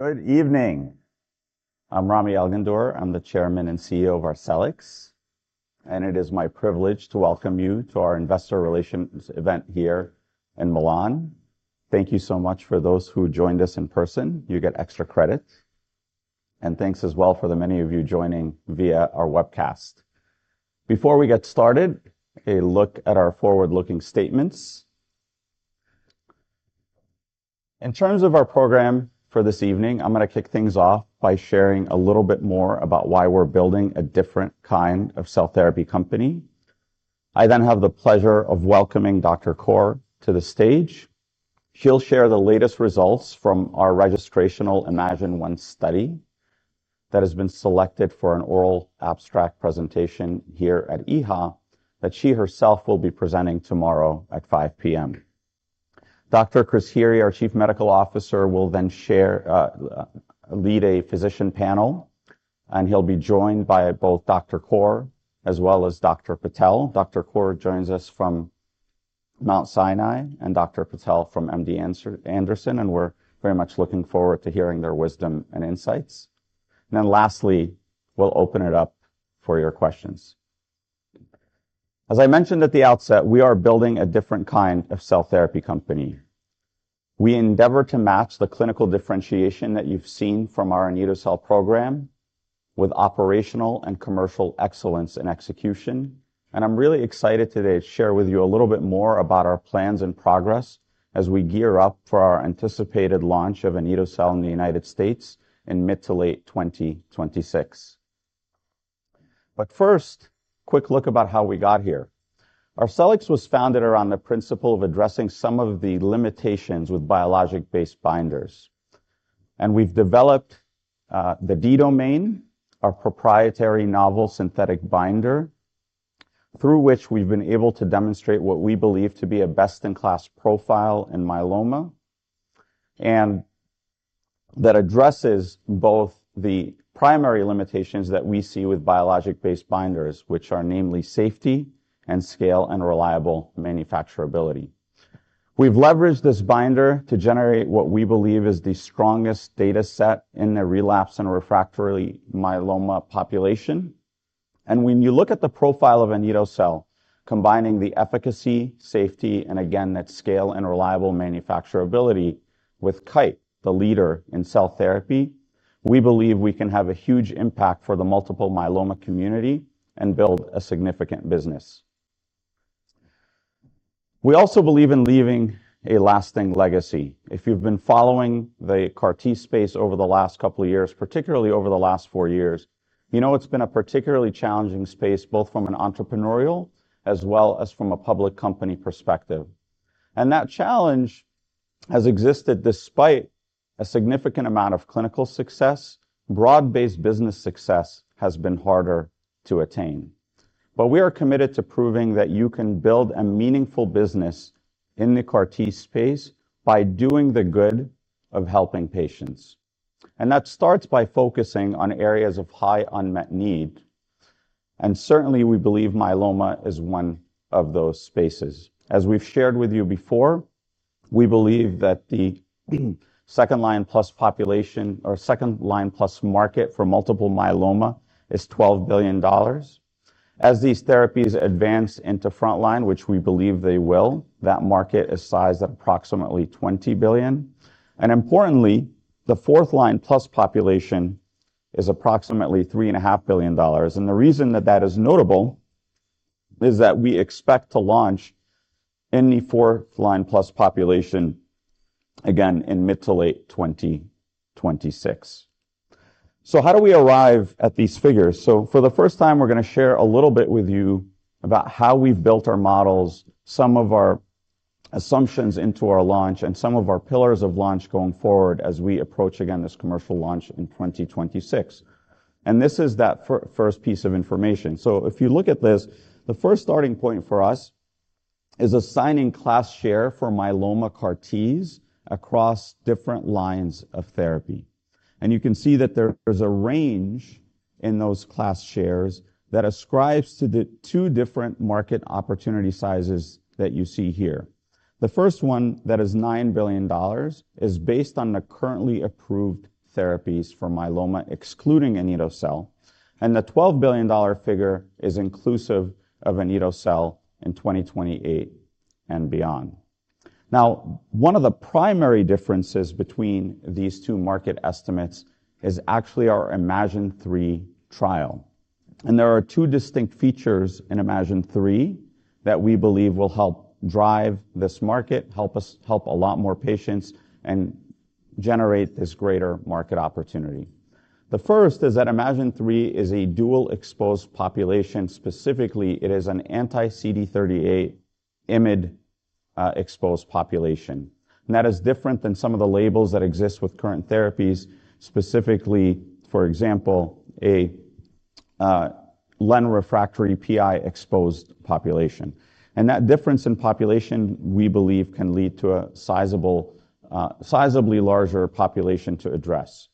Good evening, I'm Rami Elghandour, I'm the Chairman and CEO of Arcellx and it is my privilege to welcome you to our investor relations event here in Milan. Thank you so much for those who joined us in person. You get extra credit and thanks as well for the many of you joining via our webcast. Before we get started, a look at our forward looking statements in terms of our program for this evening. I'm going to kick things off by sharing a little bit more about why we're building a different kind of cell therapy company. I then have the pleasure of welcoming Dr. Kaur to the stage. She'll share the latest results from our registrational Imagine-1 study that has been selected for an oral abstract presentation here at EHA that she herself will be presenting tomorrow at 5:00 P.M. Dr. Chris He, our Chief Medical Officer, will then lead a physician panel and he'll be joined by both Dr. Kaur as well as Dr. Patel. Dr. Kaur joins us from Mount Sinai and Dr. Patel from MD Anderson and we're very much looking forward to hearing their wisdom and insights. Lastly, we'll open it up for your questions. As I mentioned at the outset, we are building a different kind of cell therapy company. We endeavor to match the clinical differentiation that you've seen from our anito-cel program with operational and commercial excellence in execution. I'm really excited today to share with you a little bit more about our plans and progress as we gear up for our anticipated launch of anito-cel in the United States in mid to late 2026. First, a quick look about how we got here. Arcellx was founded around the principle of addressing some of the limitations with biologic-based binders and we have developed the D domain, our proprietary novel synthetic binder through which we have been able to demonstrate what we believe to be a best-in-class profile in myeloma. That addresses both the primary limitations that we see with biologic-based binders, which are namely safety and scale and reliable manufacturability. We have leveraged this binder to generate what we believe is the strongest data set in the relapsed and refractory myeloma population. When you look at the profile of anito-cel, combining the efficacy, safety, and again that scale and reliable manufacturability with Kite, the leader in cell therapy, we believe we can have a huge impact for the multiple myeloma community and build a significant business. We also believe in leaving a lasting legacy. If you've been following the CAR T space over the last couple of years, particularly over the last four years, you know, it's been a particularly challenging space, both from an entrepreneurial and as well as from a public company perspective. That challenge has existed despite a significant amount of clinical success. Broad based business success has been harder to attain. We are committed to proving that you can build a meaningful business in the CAR T space by doing the good of helping patients. That starts by focusing on areas of high unmet need. Certainly we believe myeloma is one of those spaces. As we've shared with you before, we believe that the second line plus population or second line plus market for multiple myeloma is $12 billion. As these therapies advance into frontline, which we believe they will, that market is sized at approximately $20 billion. Importantly, the fourth line plus population is approximately $3.5 billion. The reason that that is notable is that we expect to launch in the fourth line plus population again in mid to late 2026. How do we arrive at these figures? For the first time, we're going to share a little bit with you about how we've built our models, some of our assumptions into our launch, and some of our pillars of launch going forward as we approach again, this commercial launch in 2026. This is that first piece of information. If you look at this, the first starting point for us is assigning class share for myeloma CAR T's across different lines of therapy. You can see that there's a range in those class shares that ascribes to the two different market opportunity sizes that you see here. The first one, that is $9 billion, is based on the currently approved therapies for myeloma, excluding anito-cel. The $12 billion figure is inclusive of anito-cel in 2028 and beyond. One of the primary differences between these two market estimates is actually our Imagine 3 trial. There are two distinct features in Imagine 3 that we believe will help drive this market, help us help a lot more patients, and generate this greater market opportunity. The first is that Imagine 3 is a dual exposed population. Specifically, it is an anti-CD38 IMiD exposed population that is different than some of the labels that exist with current therapies. Specifically, for example, a len-refractory PI exposed population. That difference in population, we believe, can lead to a sizably larger population. To address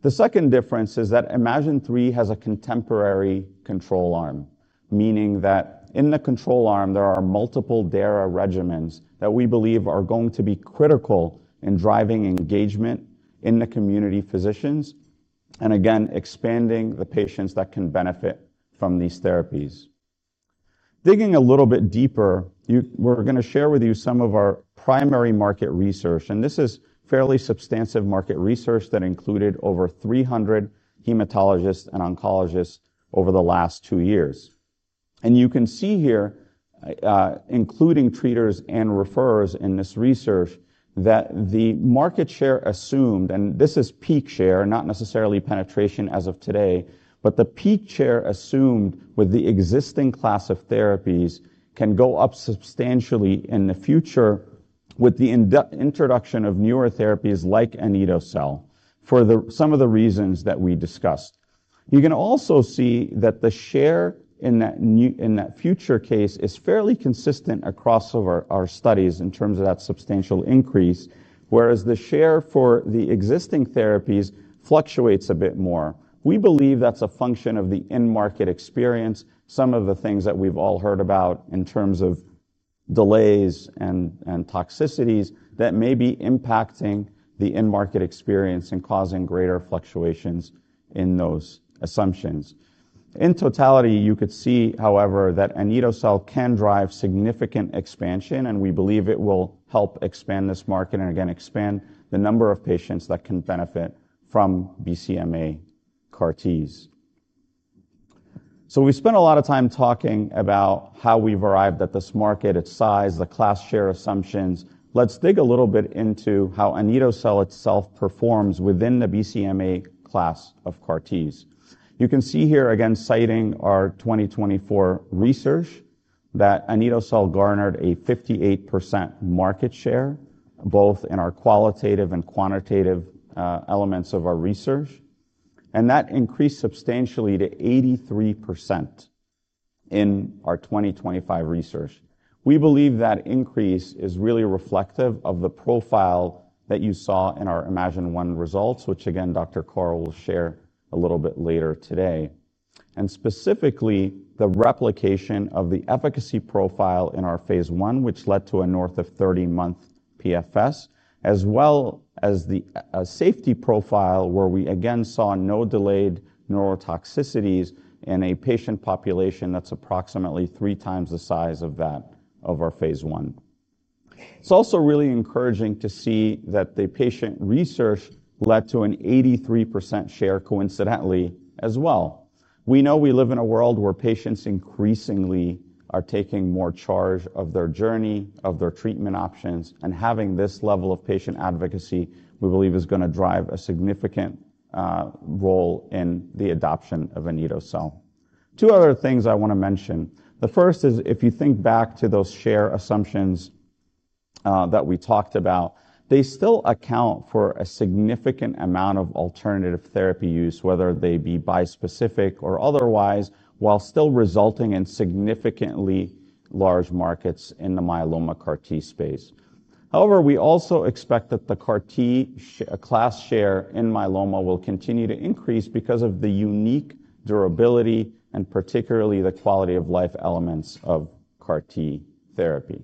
the second difference is that Imagine 3 has a contemporary control arm, meaning that in the control arm there are multiple DARA regimens that we believe are going to be critical in driving engagement in the community physicians and again expanding the patients that can benefit from these therapies. Digging a little bit deeper, we're going to share with you some of our primary market research, and this is fairly substantive market research that included over 300 hematologists and oncologists over the last two years. You can see here, including treaters and referrers in this research, that the market share assumed, and this is peak share, not necessarily penetration as of today, but the peak share assumed with the existing class of therapies can go up substantially in the future with the introduction of newer therapies like anito-cel, for some of the reasons that we discussed. You can also see that the share in that future case is fairly consistent across our studies in terms of that substantial increase, whereas the share for the existing therapies fluctuates a bit more. We believe that's a function of the in-market experience. Some of the things that we've all heard about in terms of delays and toxicities that may be impacting the in-market experience and causing greater fluctuations in those assumptions in totality. You could see, however, that anito-cel can drive significant expansion and we believe it will help expand this market and again expand the number of patients that can benefit from BCMA CAR Ts. We spent a lot of time talking about how we've arrived at this market, its size, the class share assumptions. Let's dig a little bit into how anito-cel itself performs within the BCMA class of CAR Ts. You can see here again citing our 2024 research, that anito-cel garnered a 58% market share both in our qualitative and quantitative elements of our research, and that increased substantially to 83% in our 2025 research. We believe that increase is really reflective of the profile that you saw in our Imagine 1 results, which again, Dr. Kaur will share a little bit later today. Specifically the replication of the efficacy profile in our phase one, which led to a north of 30 month PFS as well as the safety profile where we again saw no delayed neurotoxicities in a patient population that's approximately three times the size of that of our phase one. It's also really encouraging to see that the patient research led to an 83% share. Coincidentally as well, we know we live in a world where patients increasingly are taking more charge of their journey, of their treatment options. Having this level of patient advocacy we believe is going to drive a significant role in the adoption of anito-cel. Two other things I want to mention. The first is if you think back to those share assumptions that we talked about, they still account for a significant amount of alternative therapy use, whether they be bispecific or otherwise, while still resulting in significantly large markets in the myeloma CAR T space. However, we also expect that the CAR T class share in myeloma will continue to increase because of the unique durability and particularly the quality of life elements of CAR T therapy.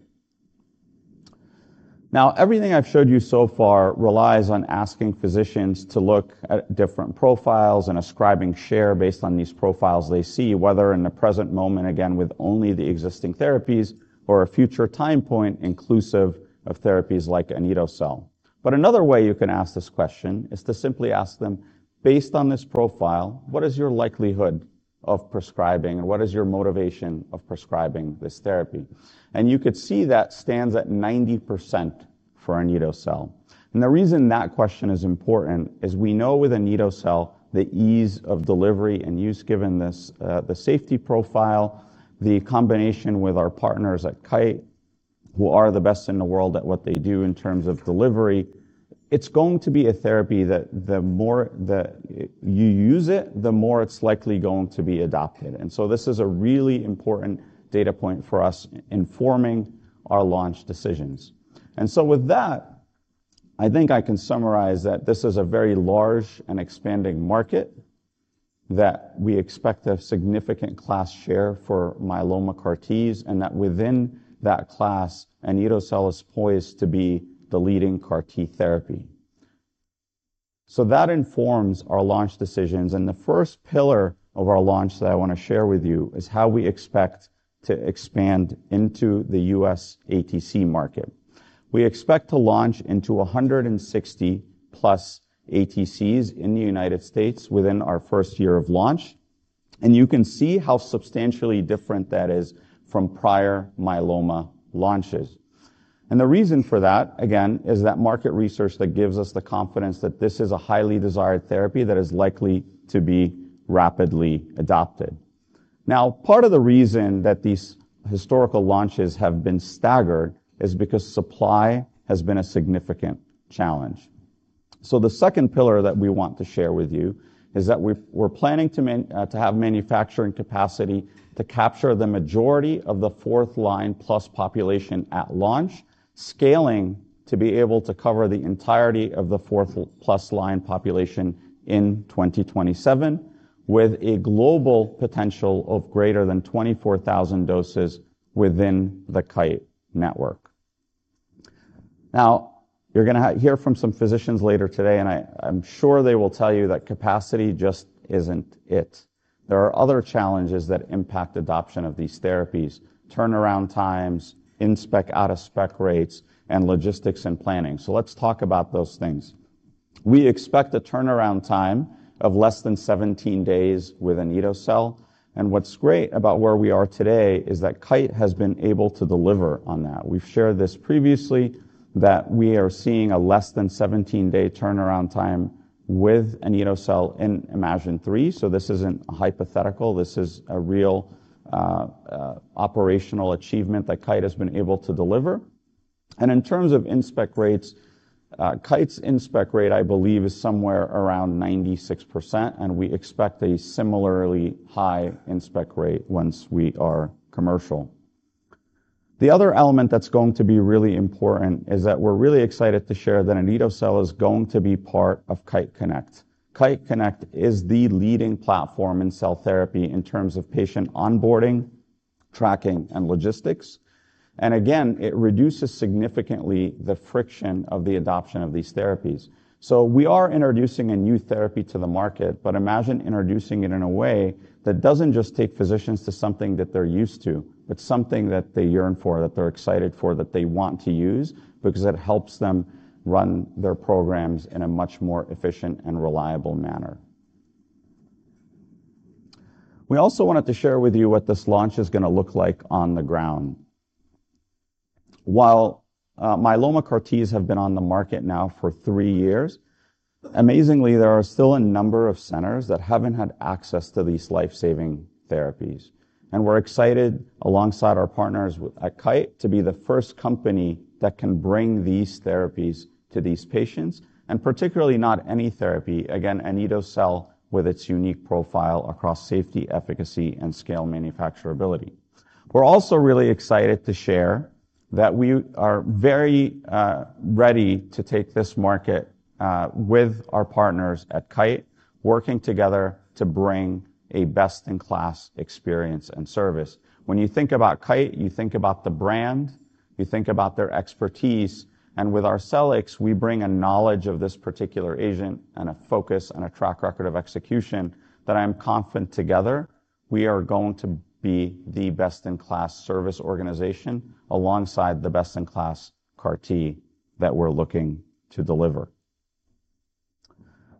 Now, everything I've showed you so far relies on asking physicians to look at different profiles and ascribing share based on these profiles. They see whether in the present moment, again with only the existing therapies or a future time point inclusive of therapies like anito-cel. Another way you can ask this question is to simply ask them, based on this profile, what is your likelihood of prescribing and what is your motivation of prescribing this therapy? You could see that stands at 90% for anito-cel. The reason that question is important is we know with anito-cel the ease of delivery and use, given this, the safety profile, the combination with our partners at Kite, who are the best in the world at what they do in terms of delivery, it's going to be a therapy that the more you use it, the more it's likely going to be adopted. This is a really important data point for us informing our launch decisions. I think I can summarize that this is a very large and expanding market, that we expect a significant class share for myeloma CAR Ts and that within that class, anito-cel is poised to be the leading CAR T therapy. That informs our launch decisions. The first pillar of our launch that I want to share with you is how we expect to expand into the U.S. ATC market. We expect to launch into 160 ATCs in the United States within our first year of launch. You can see how substantially different that is from prior myeloma launches. The reason for that, again, is that market research that gives us the confidence that this is a highly desired therapy that is likely to be rapidly adopted. Now, part of the reason that these historical launches have been staggered is because supply has been a significant challenge. The second pillar that we want to share with you is that we're planning to have manufacturing capacity to capture the majority of the fourth line plus population at launch, scaling to be able to cover the entirety of the fourth plus line population in 2027 with a global potential of greater than 24,000 doses within the Kite network. Now you're going to hear from some physicians later today and I'm sure they will tell you that capacity just isn't it. There are other challenges that impact adoption of these therapies. Turnaround times, inspect out of spec rates, and logistics and planning. Let's talk about those things. We expect a turnaround time of less than 17 days with anidocel. What's great about where we are today is that Kite has been able to deliver on that. We've shared this previously that we are seeing a less than 17 day turnaround time with anito-cel in Imagine 3. This isn't a hypothetical, this is a real operational achievement that Kite has been able to deliver. In terms of in-spec rates, Kite's in-spec rate I believe is somewhere around 96% and we expect a similarly high in-spec rate once we are commercial. The other element that's going to be really important is that we're really excited to share that anito-cel is going to be part of Kite Connect. Kite Connect is the leading platform in cell therapy in terms of patient onboarding, tracking and logistics. It reduces significantly the friction of the adoption of these therapies. We are introducing a new therapy to the market. Imagine introducing it in a way that does not just take physicians to something that they are used to, but something that they yearn for, that they are excited for, that they want to use because it helps them run their programs in a much more efficient and reliable manner. We also wanted to share with you what this launch is going to look like on the ground. While myeloma CAR Ts have been on the market now for three years, amazingly there are still a number of centers that have not had access to these life saving therapies. We are excited alongside our partners at Kite to be the first company that can bring these therapies to these patients and particularly not any therapy again. Anito-cel with its unique profile across safety, efficacy, and scale manufacturability. We're also really excited to share that we are very ready to take this market with our partners at Kite, working together to bring a best in class experience and service. When you think about Kite, you think about the brand, you think about their expertise. And with Arcellx we bring a knowledge of this particular agent and a focus and a track record of execution that I'm confident together we are going to be the best in class service organization alongside the best in class CAR T that we're looking to deliver.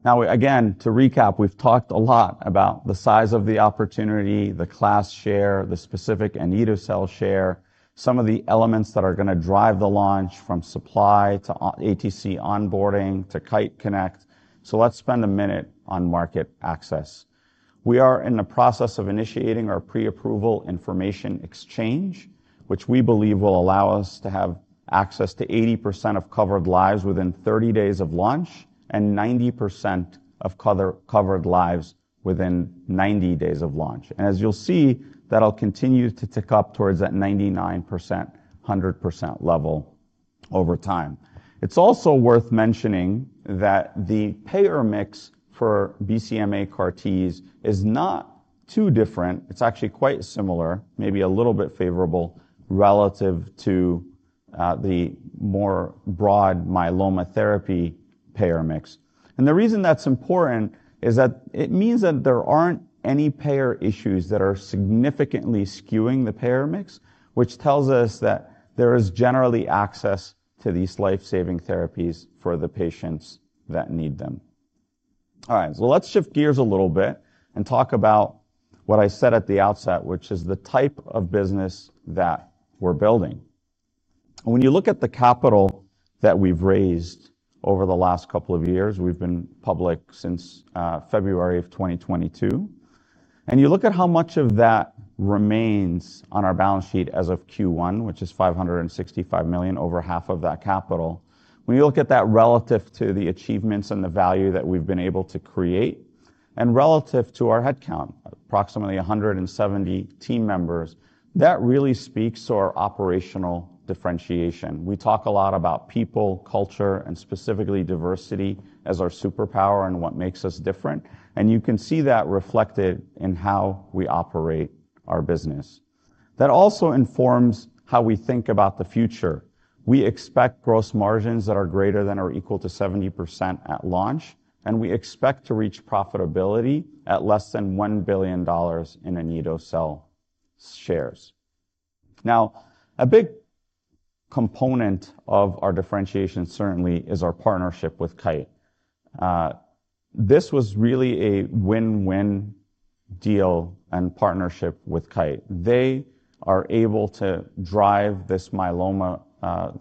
Now again, to recap, we've talked a lot about the size of the opportunity, the class share, the specific anito-cel share, some of the elements that are going to drive the launch from supply to ATC, onboarding to Kite Connect. Let's spend a minute on market access. We are in the process of initiating our preapproval information exchange which we believe will allow us to have access to 80% of covered lives within 30 days of launch and 90% of covered lives within 90 days of launch. As you'll see, that'll continue to tick up towards that 99%-100% level over time. It's also worth mentioning that the payer mix for BCMA CAR Ts is not too different. It's actually quite similar, maybe a little bit favorable relative to the more broad myeloma therapy payer mix. The reason that's important is that it means that there aren't any payer issues that are significantly skewing the payer mix, which tells us that there is generally access to these life-saving therapies for the patients that need them. All right, so let's shift gears a little bit and talk about what I said at the outset, which is the type of business that we're building. When you look at the capital that we've raised over the last couple of years, we've been public since February of 2022 and you look at how much of that remains on our balance sheet as of Q1, which is $565 million, over half of that capital. When you look at that relative to the achievements and the value that we've been able to create, and relative to our headcount, approximately 170 team members, that really speaks to our operational differentiation. We talk a lot about people, culture and specifically diversity as our superpower and what makes us different. You can see that reflected in how we operate our business. That also informs how we think about the future. We expect gross margins that are greater than or equal to 70% at launch and we expect to reach profitability at less than $1 billion in anito-cel shares. Now, a big component of our differentiation certainly is our partnership with Kite. This was really a win win deal and partnership with Kite. They are able to drive this myeloma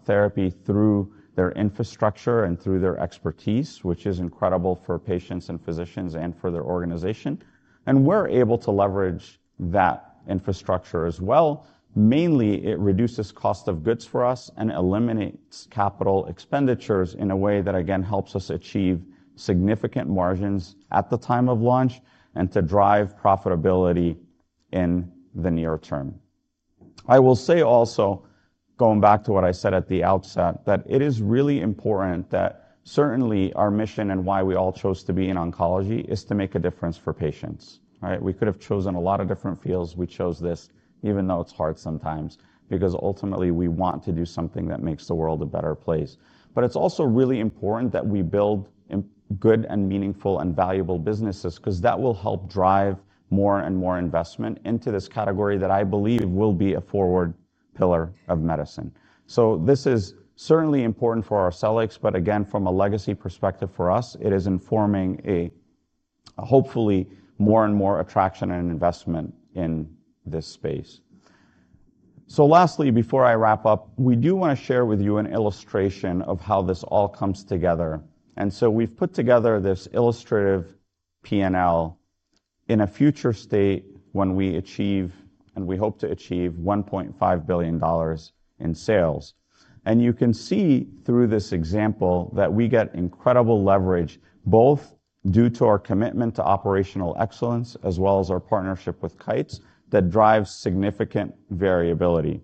therapy through their infrastructure and through their expertise, which is incredible for patients and physicians and for their organization and we're able to leverage that infrastructure as well. Mainly it reduces cost of goods for us and eliminates capital expenditures in a way that again helps us achieve significant margins at the time of launch and to drive profitability in the near term. I will say also going back to what I said at the outset, that it is really important that certainly our mission and why we all chose to be in oncology is to make a difference for patients. We could have chosen a lot of different fields. We chose this even though it's hard sometimes because ultimately we want to do something that makes the world a better place. It is also really important that we build good and meaningful and valuable businesses because that will help drive more and more investment into this category that I believe will be a forward pillar of medicine. This is certainly important for Arcellx, but again, from a legacy perspective for us it is informing a hopefully more and more attraction and investment in this space. Lastly, before I wrap up, we do want to share with you an illustration of how this all comes together. We have put together this illustrative P and L in a future state when we achieve, and we hope to achieve, $1.5 billion in sales. You can see through this example that we get incredible leverage from both due to our commitment to operational excellence as well as our partnership with Kite that drives significant variability.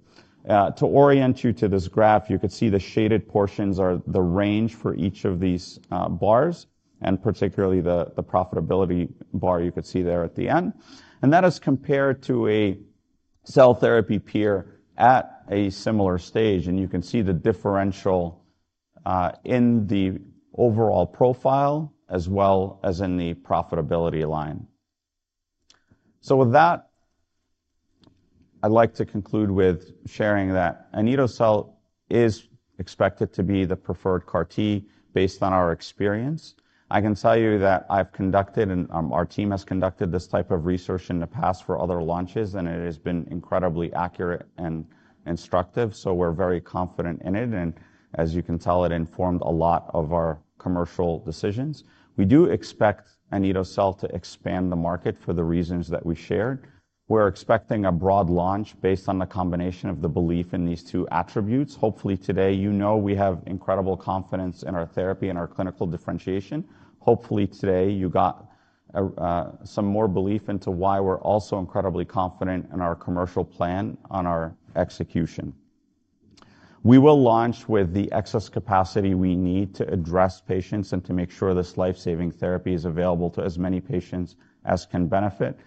To orient you to this graph, you can see the shaded portions are the range for each of these bars and particularly the profitability bar you can see there at the end. That is compared to a cell therapy peer at a similar stage. You can see the differential in the overall profile as well as in the profitability line. With that, I'd like to conclude with sharing that anidocell is expected to be the preferred CAR T. Based on our experience, I can tell you that I've conducted and our team has conducted this type of research in the past for other launches and it has been incredibly accurate and instructive. We're very confident in it and as you can tell, it informed a lot of our commercial decisions. We do expect anidocell to expand the market for the reasons that we shared. We're expecting a broad launch based on the combination of the belief in these two attributes. Hopefully today, you know, we have incredible confidence in our therapy and our clinical differentiation. Hopefully today you got some more belief into why. We're also incredibly confident in our commercial plan and our execution. We will launch with the excess capacity we need to address patients and to make sure this life saving therapy is available to as many patients as can benefit.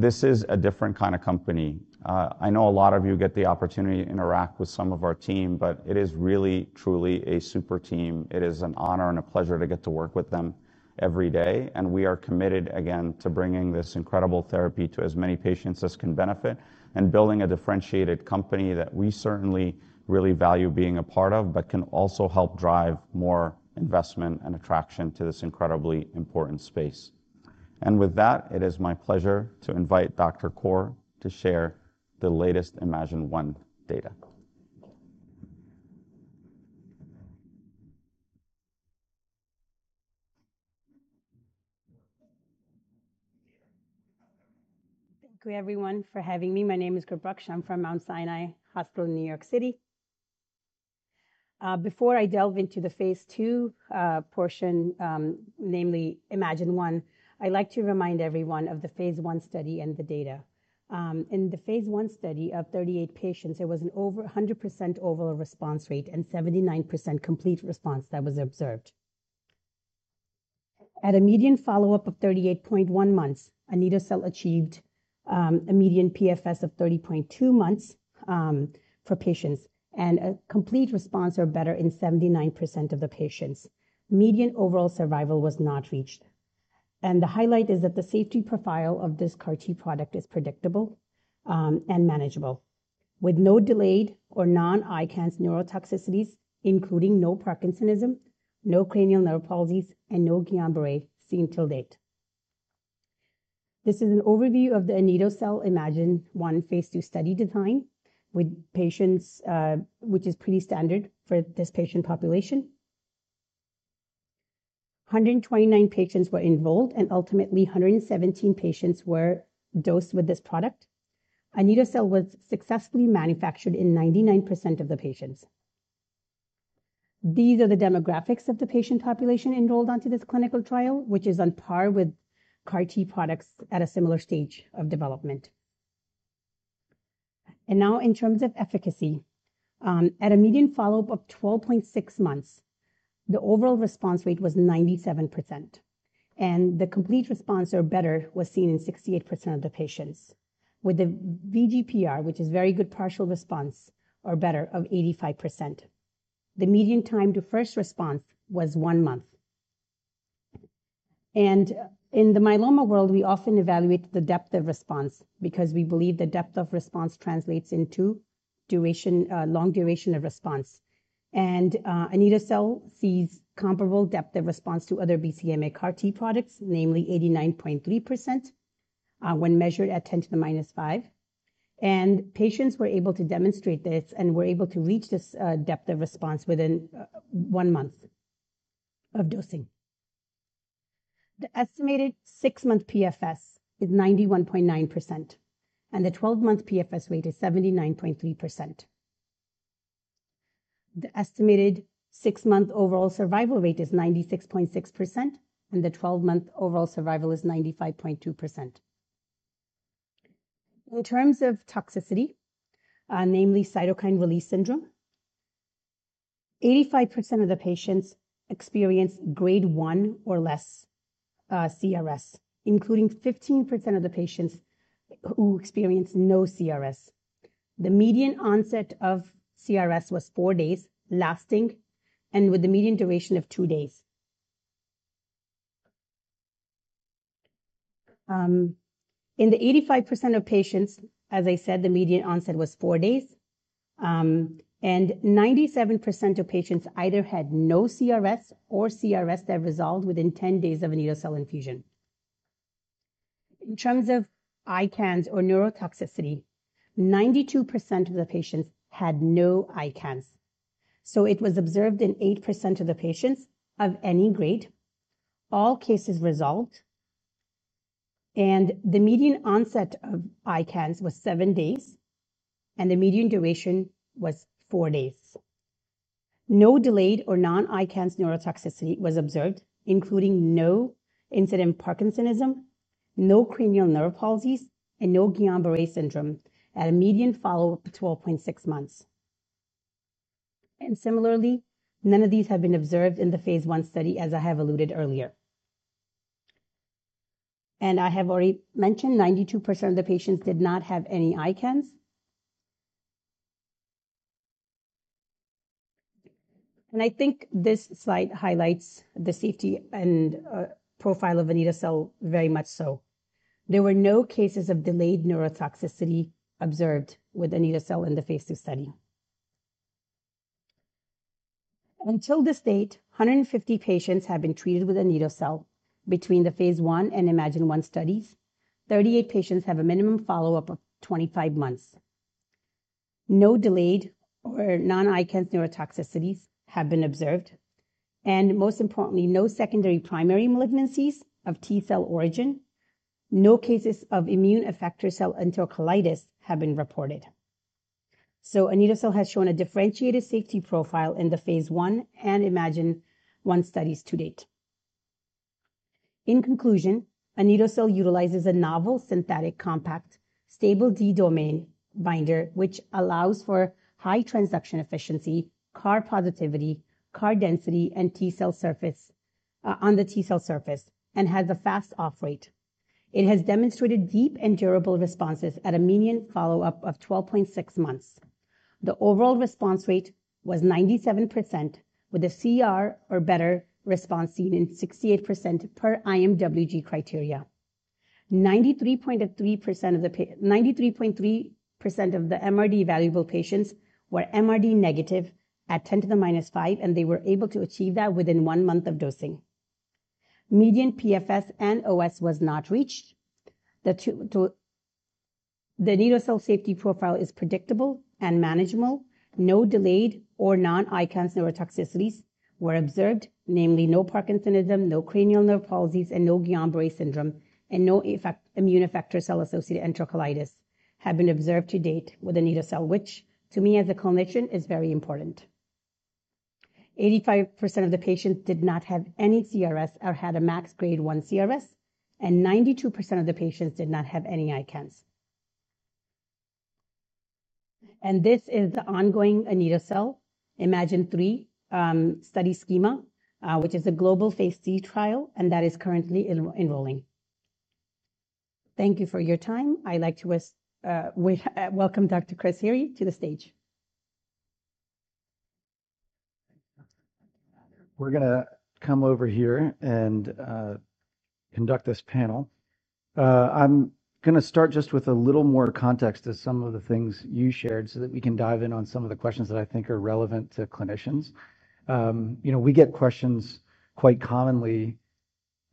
This is a different kind of company. I know a lot of you get the opportunity to interact with some of our team, but it is really, truly a super team. It is an honor and a pleasure to get to work with them every day and we are committed again to bringing this incredible therapy to as many patients as can benefit and building a differentiated company that we certainly really value being a part of, but can also help drive more investment and attraction to this incredibly important space. It is my pleasure to invite Dr. Kaur to share the latest Imagine One data. Thank you everyone for having me. My name is Gurbakhash, I'm from Mount Sinai Hospital in New York City. Before I delve into the phase two portion, namely IMAGINE-1, I'd like to remind everyone of the phase one study and the data in the phase one study of 38 patients there was an over 100% overall response rate and 79% complete response that was observed at a median follow up of 38.1 months. Anito-cel achieved a median PFS of 30.2 months for patients and a complete response or better in 79% of the patients. Median overall survival was not reached and the highlight is that the safety profile of this CAR T product is predictable and manageable with no delayed or non-ICANS neurotoxicities including no Parkinsonism, no cranial nerve palsies and no Guillain-Barré seen till date. This is an overview of the anito-cel imagine-1 phase two study design with patients which is pretty standard for this patient population. 129 patients were enrolled and ultimately 117 patients were dosed with this product. Anito-cel was successfully manufactured in 99% of the patients. These are the demographics of the patient population enrolled onto this clinical trial which is on par with CAR T products at a similar stage of development. Now in terms of efficacy, at a median follow up of 12.6 months the overall response rate was 97% and the complete response or better was seen in 68% of the patients with the VGPR, which is very good partial response or better, of 85%. The median time to first response was one month and in the myeloma world we often evaluate the depth of response because we believe the depth of response translates into long duration of response and anito-cel sees comparable depth of response to other BCMA CAR T products, namely 89.3% when measured at 10 to the minus 5 and patients were able to demonstrate this and were able to reach this depth of response within one month of dosing. The estimated six month PFS is 91.9% and the 12 month PFS rate is 79.3%. The estimated six month overall survival rate is 96.6% and the 12 month overall survival is 95.2%. In terms of toxicity, namely cytokine release syndrome, 85% of the patients experience grade one or less CRS including 15% of the patients who experience no CRS. The median onset of CRS was four days, less lasting, and with the median duration of two days in the 85% of patients. As I said, the median onset was four days and 97% of patients either had no CRS or CRS that resolved within 10 days of anito-cel infusion. In terms of ICANS or neurotoxicity, 92% of the patients had no ICANS, so it was observed in 8% of the patients of any grade. All cases resolved and the median onset of ICANS was seven days and the median duration was four days. No delayed or non-ICANS neurotoxicity was observed, including no incident Parkinsonism, no cranial nerve palsies, and no Guillain-Barré syndrome at a median follow-up to 12.6 months. Similarly, none of these have been observed in the phase one study. As I have alluded earlier, I have already mentioned, 92% of the patients did not have any ICANS and I think this slide highlights the safety and profile of anito-cel very much so. There were no cases of delayed neurotoxicity observed with anito-cel in the phase 2 study. Until this date, 150 patients have been treated with anito-cel. Between the phase 1 and iMMagine-1 studies, 38 patients have a minimum follow up of 25 months. No delayed or non-ICANS neurotoxicities have been observed and most importantly no secondary primary malignancies of T cell origin. No cases of immune effector cell enterocolitis have been reported so anito-cel has shown a differentiated safety profile in the phase 1 and iMMagine-1 studies to date. In conclusion, anito-cel utilizes a novel synthetic compact stable D domain binder which allows for high transduction efficiency, CAR positivity, CAR density and T cell surface on the T cell surface and has a fast off rate. It has demonstrated deep and durable responses at a median follow up of 12.6 months. The overall response rate was 97% with the CR or better response seen in 68% per IMWG criteria. 93.3% of the MRD evaluable patients were MRD negative at 10 to the minus 5 and they were able to achieve that within one month of dosing. Median PFS and OS was not reached. The anito-cel safety profile is predictable and manageable. No delayed or non-significant neurotoxicities were observed, namely no Parkinsonism, no cranial nerve palsies and no Guillain-Barré syndrome. No immune effector cell associated enterocolitis have been observed to date with anito-cel, which to me as a clinician is very important. 85% of the patients did not have any CRS or had a max grade 1 CRS and 92% of the patients did not have any ICANS. This is the ongoing anito-cel IMAGINE-3 study schema, which is a global phase C trial that is currently enrolling. Thank you for your time. I'd like to welcome Dr. Chris Heery to the stage. We're going to come over here and conduct this panel. I'm going to start just with a little more context to some of the things you shared so that we can dive in on some of the questions that I think are relevant to clinicians. We get questions quite commonly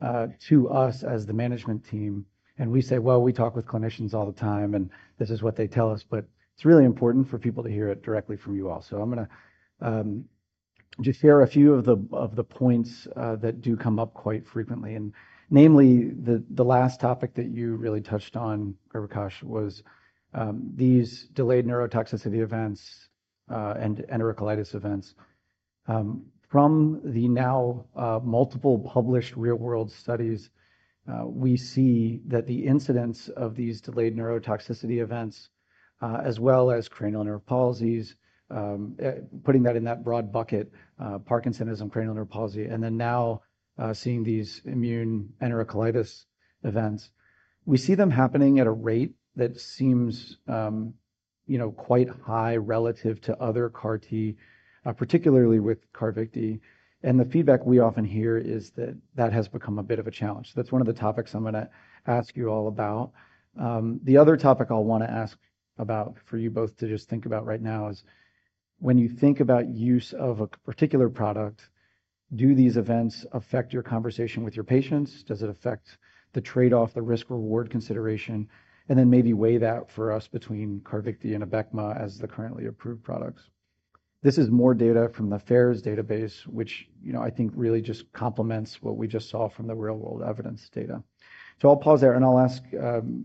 to us as the management team and we say, well we talk with clinicians all the time and this is what they tell us. It's really important for people to hear it directly from you all. I'm going to just share a few of the points that do come up quite frequently and namely the last topic that you really touched on, Gurbakhash, was these delayed neurotoxicity events and enterocolitis events. From the now multiple published real world studies, we see that the incidence of these delayed neurotoxicity events as well as cranial nerve palsies, putting that in that broad bucket, parkinsonism, cranial neuropalsy and then now seeing these immune enterocolitis events, we see them happening at a rate that seems quite high relative to other CAR T, particularly with Carvykti. The feedback we often hear is that has become a bit of a challenge. That is one of the topics I am going to ask you all about. The other topic I will want to ask about for you both to just think about right now is when you think about use of a particular product, do these events affect your conversation with your patients? Does it affect the trade off, the risk, reward, consideration and then maybe weigh that for us between Carvykti and Abecma as the currently approved products? This is more data from the FAERS database, which, you know, I think really just complements what we just saw from the real world evidence data. I'll pause there and I'll ask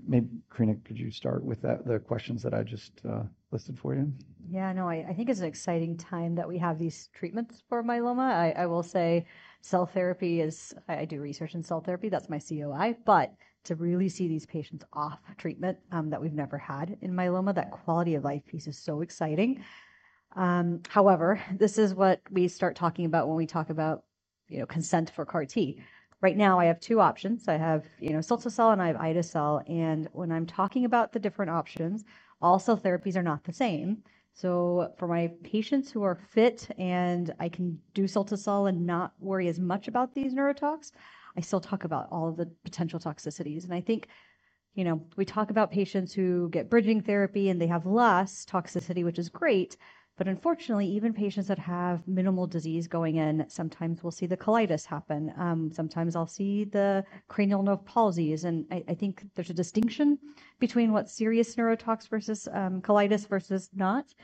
maybe, Krina, could you start with the questions that I just listed for you? Yeah. No, I think it's an exciting time that we have these treatments for myeloma. I will say cell therapy is. I do research in cell therapy. That's my COI. But to, to really see these patients off treatment that we've never had in myeloma. That quality of life piece is so exciting. However, this is what we start talking about when we talk about consent for CAR T. Right now I have two options. I have cilta-cel and I have ide-cel. And when I'm talking about the different options, also therapies are not the same. So for my patients who are fit and I can do cilta-cel and not worry as much about these neurotox, I still talk about all the potential toxicities. And I think, you know, we talk about patients who get bridging therapy and they have less toxicity, which is great. Unfortunately, even patients that have minimal disease going in, sometimes we'll see the colitis happen, sometimes I'll see the cranial nerve palsies. I think there's a distinction between what serious neurotox versus colitis versus not.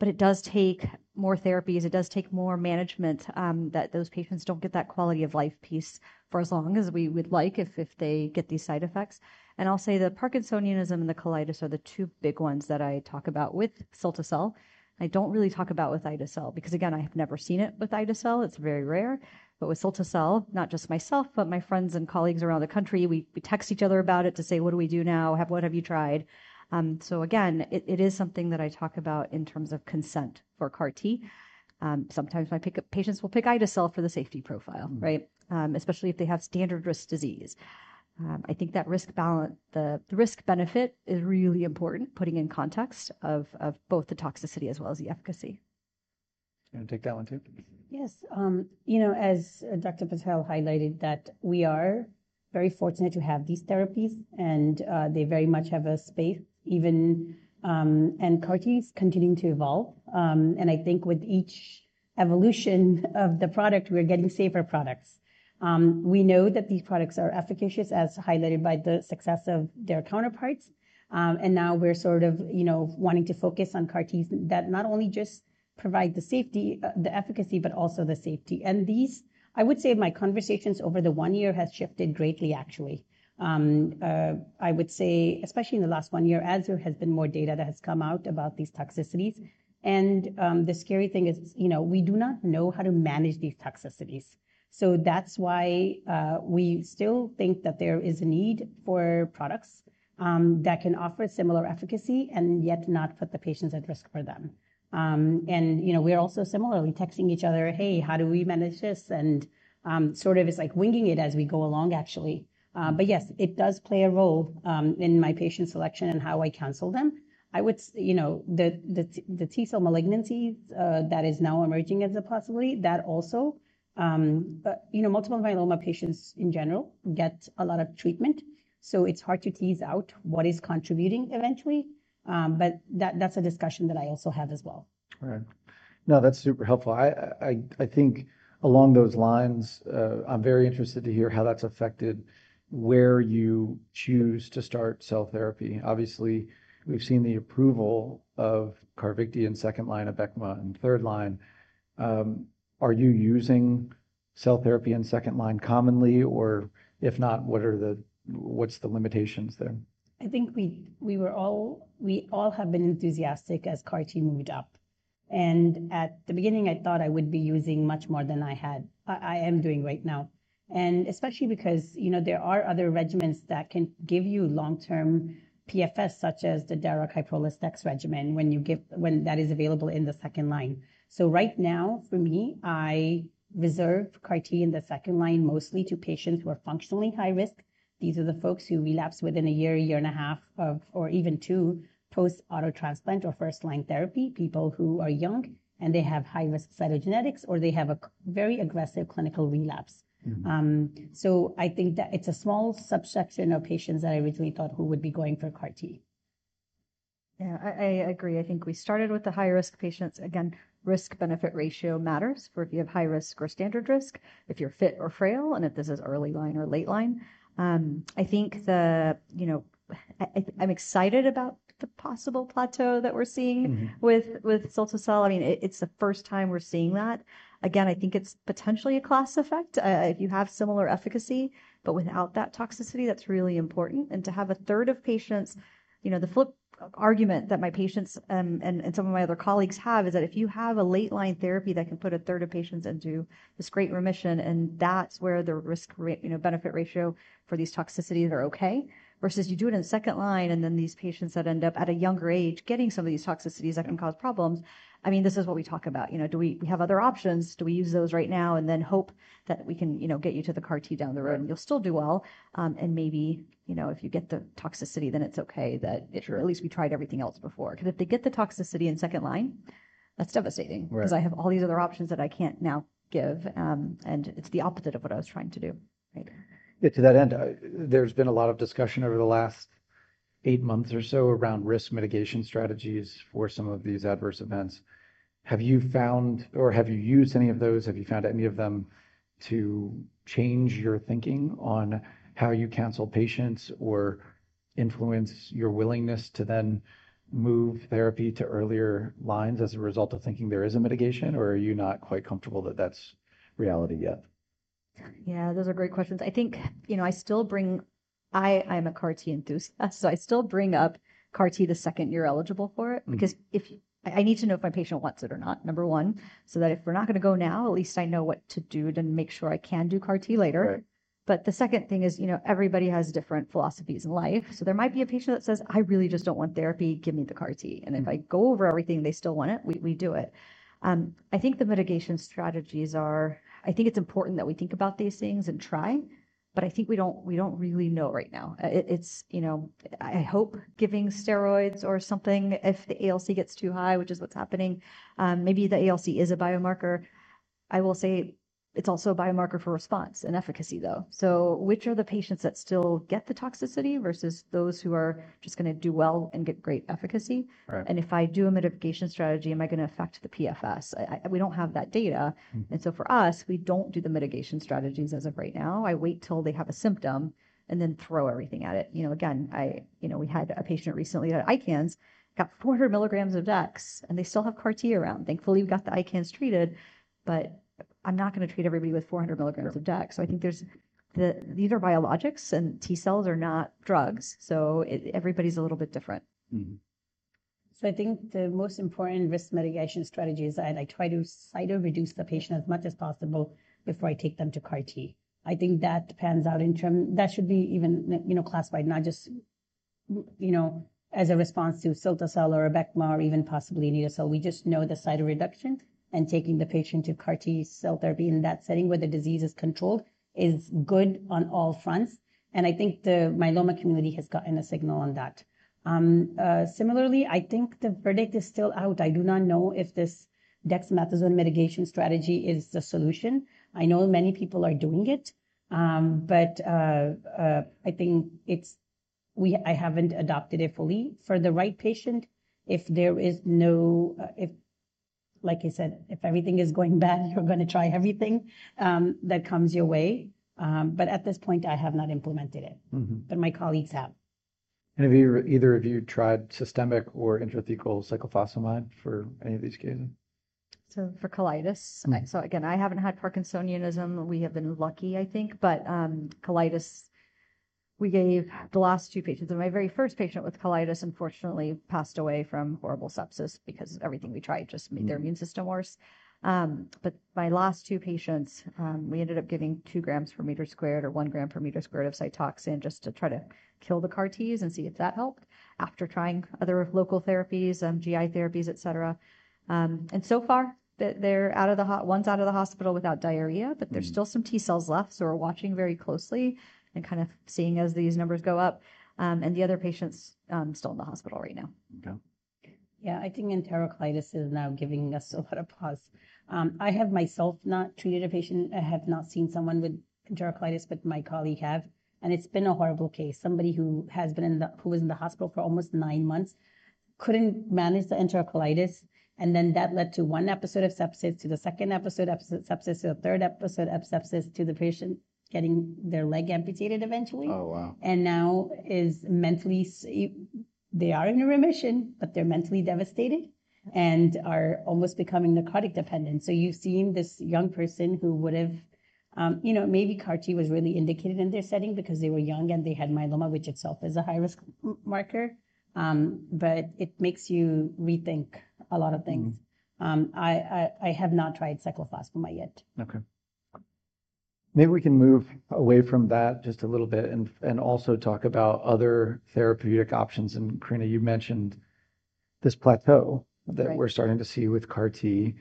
It does take more therapies, it does take more management that those patients don't get that quality of life piece for as long as we would like if they get these side effects. I'll say the parkinsonianism and the colitis are the two big ones that I talk about with Cilta-cel. I don't really talk about with ide-cel because again, I have never seen it. With ide-cel, it's very rare. With Cilta-cel, not just myself, but my friends and colleagues around the country, we text each other about it to say, what do we do now? What have you tried? Again, it is something that I talk about in terms of consent for CAR T. Sometimes my pickup patients will pick ide-cel for the safety profile, especially if they have standard risk disease. I think that risk balance, the risk benefit, is really important, putting in context of both the toxicity as well as the efficacy. You want to take that one too? Yes. You know, as Dr. Patel highlighted, we are very fortunate to have these therapies and they very much have a space even. CAR T is continuing to evolve. I think with each evolution of the product, we're getting safer products. We know that these products are efficacious, as highlighted by the success of their counterparts. Now we're sort of, you know, wanting to focus on CAR T's that not only just provide the safety, the efficacy, but also the safety in these. I would say my conversations over the one year has shifted greatly, actually. I would say especially in the last one year as there has been more data that has come out about these toxicities. The scary thing is we do not know how to manage these toxicities. That's why we still think that there is a need for products that can offer similar efficacy and yet not put the patients at risk for them. We are also similarly texting each other, hey, how do we manage this? It's like winging it as we go along actually. Yes, it does play a role in my patient selection and how I counsel them. I would, you know, the T cell malignancies, that is now emerging as a possibility that also, you know, multiple myeloma patients in general get a lot of treatment. It's hard to tease out what is contributing eventually. That's a discussion that I also have as well right now. That's super helpful, I think along those lines, I'm very interested to hear how that's affected where you choose to start cell therapy. Obviously we've seen the approval of Carvykti in second line, Abecma in third line. Are you using cell therapy in second line commonly or if not, what are the, what's the limitations there? I think we all have been enthusiastic as CAR T moved up and at the beginning I thought I would be using much more than I am doing right now. Especially because there are other regimens that can give you long term PFS such as the Dara, Kyprolis, Dex regimen. When that is available in the second line. Right now for me, I reserve CAR T in the second line mostly to patients who are functionally high risk. These are the folks who relapse within a year, year and a half, or even two years post auto transplant or first line therapy. People who are young and they have high risk cytogenetics or they have a very aggressive clinical relapse. I think that it is a small subsection of patients that I originally thought who would be going for CAR T. Yeah, I agree. I think we started with the high risk patients. Again, risk benefit ratio matters for if you have high risk or standard risk. If you're fit or frail. If this is early line or late line, I think the, you know, I'm excited about the possible plateau that we're seeing with Cilta-Cel. I mean, it's the first time we're seeing that again. I think it's potentially a class effect. If you have similar efficacy, but without that toxicity, that's really important. To have a third of patients. You know, the flip argument that my patients and some of my other colleagues have is that if you have a late line therapy that can put a third of patients into this great remission, that's where the risk benefit ratio for these toxicities are okay, versus you do it in second line. These patients that end up at a younger age getting some of these toxicities that can cause problems. I mean, this is what we talk about. You know, do we have other options? Do we use those right now and then hope that we can, you know, get you to the CAR T down the road and you'll still do well? Maybe, you know, if you get the toxicity, then it's okay that at least we tried everything else before. Because if they get the toxicity in second line, that's devastating because I have all these other options that I can't now give. It's the opposite of what I was trying to do. Right. To that end, there's been a lot of discussion over the last eight months or so around risk mitigation strategies for some of these adverse events. Have you found or have you used any of those? Have you found any of them to change your thinking on how you counsel patients or influence your willingness to then move therapy to earlier lines as a result of thinking there is a mitigation? Or are you not quite comfortable that that's reality yet? Yeah, those are great questions, I think. You know, I still bring. I'm a CAR T enthusiast, so I still bring up CAR T the second you're eligible for it. Because I need to know if my patient wants it or not, number one. If we're not going to go now, at least I know what to do to make sure I can do CAR T later. The second thing is everybody has different philosophies in life. There might be a patient that says, I really just don't want therapy. Give me the CAR T. If I go over everything, they still want it, we do it. I think the mitigation strategies are. I think it's important that we think about these things and try to. I think we don't really know right now. It's, you know, I hope giving steroids or something if the ALC gets too high, which is what's happening. Maybe the ALC is a biomarker. I will say it's also a biomarker for response and efficacy, though. Which are the patients that still get the toxicity versus those who are just going to do well and get great efficacy? If I do a mitigation strategy, am I going to affect the PFS? We don't have that data. For us, we don't do the mitigation strategies as of right now. I wait till they have a symptom and then throw everything at it. You know, again, I, you know, we had a patient recently at ICANS got 4 mg of dex and they still have CAR T around. Thankfully, we got the ICANS treated. I'm not going to treat everybody with 400 mg of dex. I think there's. These are biologics and T cells are not drugs. So everybody's a little bit different. I think the most important risk mitigation strategy is I try to cyto reduce the patient as much as possible before I take them to CAR T. I think that pans out in terms that should be even classified, not just as a response to cilta-cel or ABECMA or even possibly anito-cel. We just know the cytoreduction and taking the patient to CAR T cell therapy in that setting where the disease is controlled is good on all fronts. I think the myeloma community has gotten a signal on that. Similarly, I think the verdict is still out. I do not know if this dexamethasone mitigation strategy is the solution. I know many people are doing it, but I think I have not adopted it fully for the right patient. If there is no. Like I said, if everything is going bad, you're going to try everything that comes your way. At this point, I have not implemented it, but my colleagues have. Either of you tried systemic or intrathecal cyclophosphamide for any of these cases? For colitis. Again, I haven't had Parkinsonianism. We have been lucky, I think, but colitis, we gave the last two patients and my very first patient with colitis unfortunately passed away from horrible sepsis because everything we tried just made their immune system worse. My last two patients, we ended up giving 2 grams per meter squared or 1 gram per meter squared of cytoxin just to try to kill the CAR Ts and see if that helped after trying other local therapies, GI therapies, et cetera. So far, they're out of the hot ones, out of the hospital without diarrhea, but there are still some T cells left. We're watching very closely and kind of seeing as these numbers go up and the other patient is still in the hospital right now. Okay. Yeah, I think enterocolitis is now giving us a lot of pause. I have myself not treated a patient. I have not seen someone with enterocolitis, but my colleague have and it's been a horrible case. Somebody who has been in the, who was in the hospital for almost nine months, couldn't manage the enterocolitis. That led to one episode of sepsis, to the second episode sepsis, the third episode of sepsis, to the patient getting their leg amputated eventually and now is mentally. They are in remission, but they're mentally devastated and are almost becoming narcotic dependent. You've seen this young person who would have, you know, maybe CAR T was really indicated in their setting because they were young and they had myeloma, which itself is a high risk marker, but it makes you rethink a lot of things. I have not tried cyclophosphamide yet. Okay. Maybe we can move away from that just a little bit and also talk about other therapeutic options. Krina, you mentioned this plateau that we're starting to see with CAR T.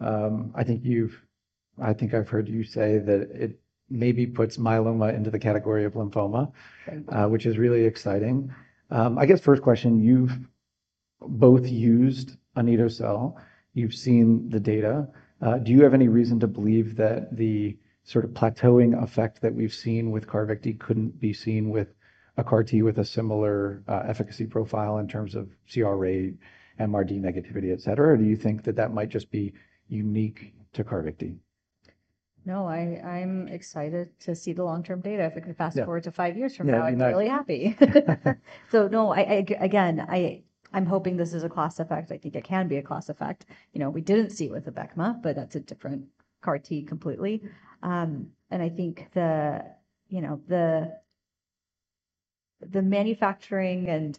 I think I've heard you say that it maybe puts myeloma into the category of lymphoma, which is really exciting, I guess. First question, you've both used anidocel. You've seen the data. Do you have any reason to believe that the sort of plateauing effect that we've seen with Carvykti couldn't be seen with a CAR T with a similar efficacy profile in terms of CR, MRD negativity, et cetera. Do you think that that might just be unique to Carvykti? No, I'm excited to see the long term data. If I could fast forward to five years from now, I'm really happy. No, again, I'm hoping this is a class effect. I think it can be a class effect. We didn't see it with Abecma, but that's a different CAR T completely. I think the manufacturing and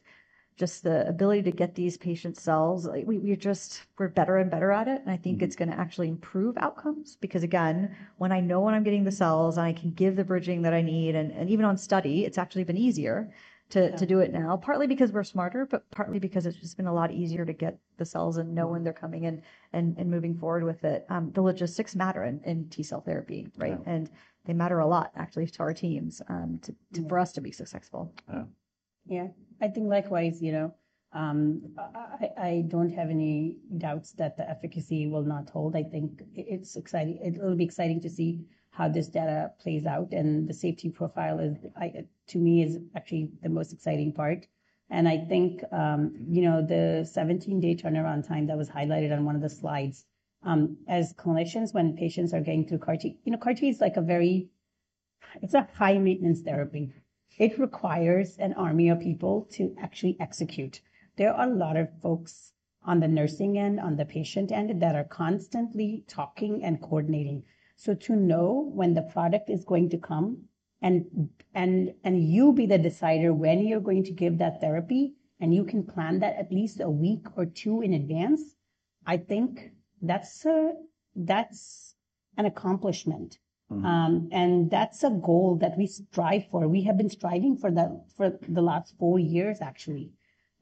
just the ability to get these patient cells, we're better and better at it. I think it's going to actually improve outcomes because again, when I know when I'm getting the cells, I can give the bridging that I need. Even on study, it's actually been easier to do it now, partly because we're smarter, but partly because it's just been a lot easier to get the cells and know when they're coming in and moving forward with it. The logistics matter in T cell therapy. Right. They matter a lot actually to our teams for us to be successful. Yeah, I think likewise. You know, I don't have any doubts that the efficacy will not hold. I think it's exciting, it'll be exciting to see how this data plays out. The safety profile to me is actually the most exciting part. I think, you know, the 17 day turnaround time that was highlighted on one of the slides as clinicians, when patients are getting through CAR T. CAR T is like a very, it's a high maintenance therapy. It requires an army of people to actually execute. There are a lot of folks on the nursing end, on the patient end that are constantly talking and coordinating. To know when the product is going to come and you be the decider when you're going to give that therapy and you can plan that at least a week or two in advance, I think that's an accomplishment and that's a goal that we strive for. We have been striving for that for over the last four years actually.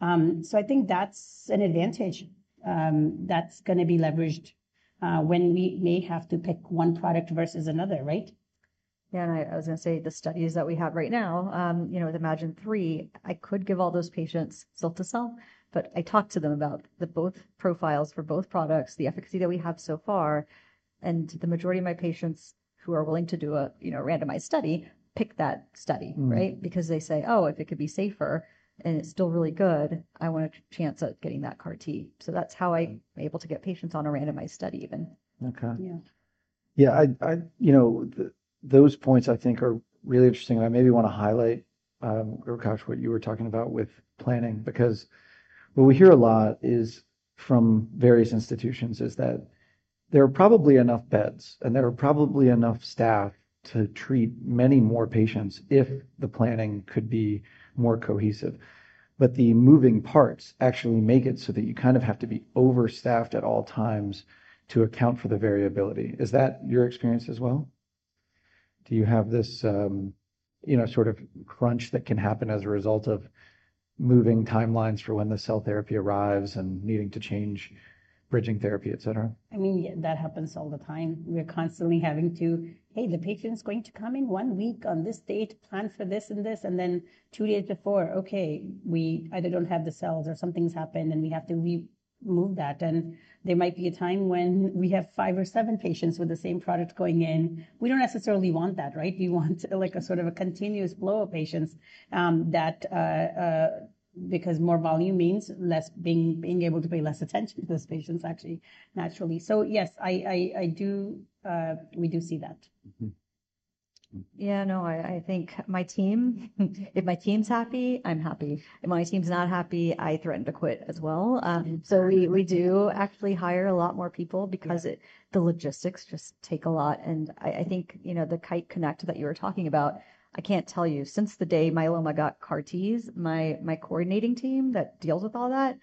I think that's an advantage that's going to be leveraged when we may have to pick one product versus another. Right? Yeah. I was going to say the studies that we have right now, you know, with Imagine 3, I could give all those patients cell to cell, but I talked to them about the both profiles for both products, the efficacy that we have so far. The majority of my patients who are willing to do a, you know, randomized study, pick that study. Right. Because they say, oh, if it could be safer and it's still really good, I want a chance of getting that CAR T. That's how I able to get patients on a randomized study even. Okay. Yeah, yeah. Those points I think are really interesting and I maybe want to highlight what you were talking about with planning because what we hear a lot is from various institutions is that there are probably enough beds and there are probably enough staff to treat many more patients if the planning could be more cohesive. The moving parts actually make it so that you kind of have to be overstaffed at all times to account for the variability. Is that your experience as well? Do you have this, you know, sort of crunch that can happen as a result of moving timelines for when the cell therapy arrives and needing to change, bridging therapy, et cetera. Me, that happens all the time. We're constantly having to, hey, the patient's going to come in one week on this date, plan for this and this, and then two days before, okay, we either don't have the cells or something's happened and we have to remove that. There might be a time when we have five or seven patients with the same product going in. We don't necessarily want that. Right. We want like a sort of a continuous flow of patients. Because more volume means being able to pay less attention to those patients actually naturally. Yes, I do. We do see that. Yeah. No, I think my team, if my team's happy, I'm happy. If my team's not happy, I threaten to quit as well. We do actually hire a lot more people because it, the logistics just take a lot. I think, you know, the Kite connect that you were talking about, I can't tell you. Since the day myeloma got CAR parties, my coordinating team that deals with all that,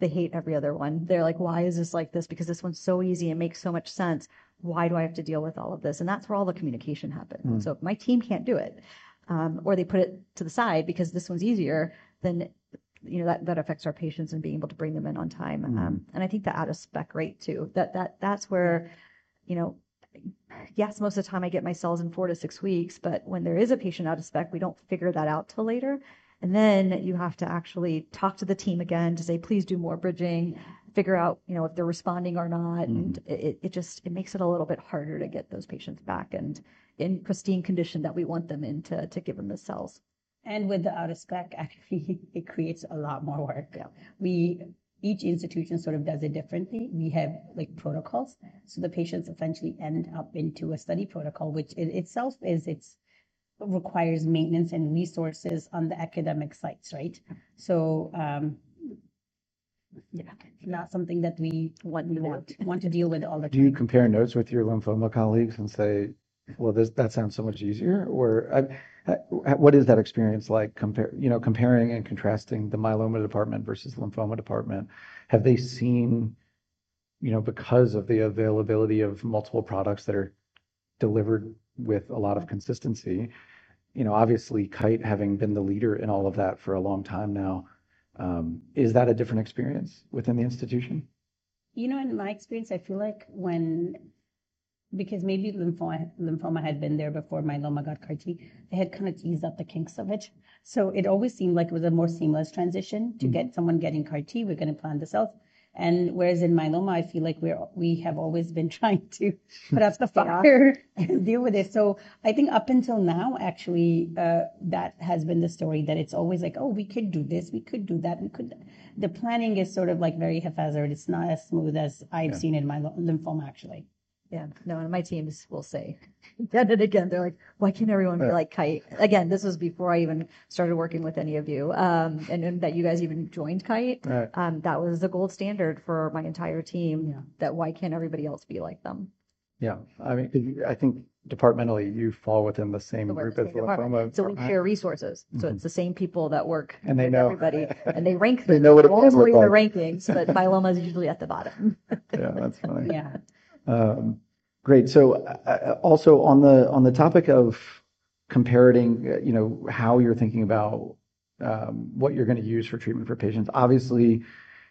they hate every other one. They're like, why is this like this? Because this one's so easy. It makes so much sense. Why do I have to deal with all of this? That is where all the communication happens. If my team can't do it, or they put it to the side because this one's easier, you know that affects our patients and being able to bring them in on time. I think that out of spec rate too, that's where, you know, yes, most of the time I get my cells in four to six weeks, but when there is a patient out of spec, we don't figure that out till later. You have to actually talk to the team again to say, please do more bridging, figure out, you know, if they're responding or not. It just makes it a little bit harder to get those patients back and in pristine condition that we want them in to give them the cells. With the out of spec, actually it creates a lot more work. Each institution sort of does it differently. We have like protocols. The patients essentially end up into a study protocol, which itself is, it requires maintenance and resources on the academic sites. Right. Yeah, not something that we want to deal with all the time. Do you compare notes with your lymphoma colleagues and say, that sounds so much easier or what is that experience like? Compare, you know, comparing and contrasting the myeloma department versus lymphoma department. Have they seen, you know, because of the availability of multiple products that are delivered with a lot of consistency. You know, obviously Kite having been the leader in all of that for a long time now, is that a different experience within the institution? You know, in my experience, I feel like when, because maybe lymphoma had been there before myeloma got CAR T, they had kind of eased up the kinks of it. It always seemed like it was a more seamless transition to get someone getting CAR T. We are going to plan this out. Whereas in myeloma I feel like we have always been trying to, but that is the farther deal with it. I think up until now, actually that has been the story that it is always like, oh, we could do this, we could do that, we could. The planning is sort of like very haphazard. It is not as smooth as I have seen in my lymphoma, actually. Yeah, no. My team will say again and again, they're like, why can't everyone be like Kite again? This was before I even started working with any of you and that you guys even joined Kite. That was the gold standard for my entire team, that why can't everybody else be like them? Yeah, I mean, I think departmentally you fall within the same group as lymphoma. We share resources. It's the same people that work and they know everybody and they rank, they know what its rankings. Myeloma is usually at the bottom. Yeah, that's funny. Yeah, great. Also on the topic of compariting, you know, how you're thinking about what you're going to use for treatment for patients. Obviously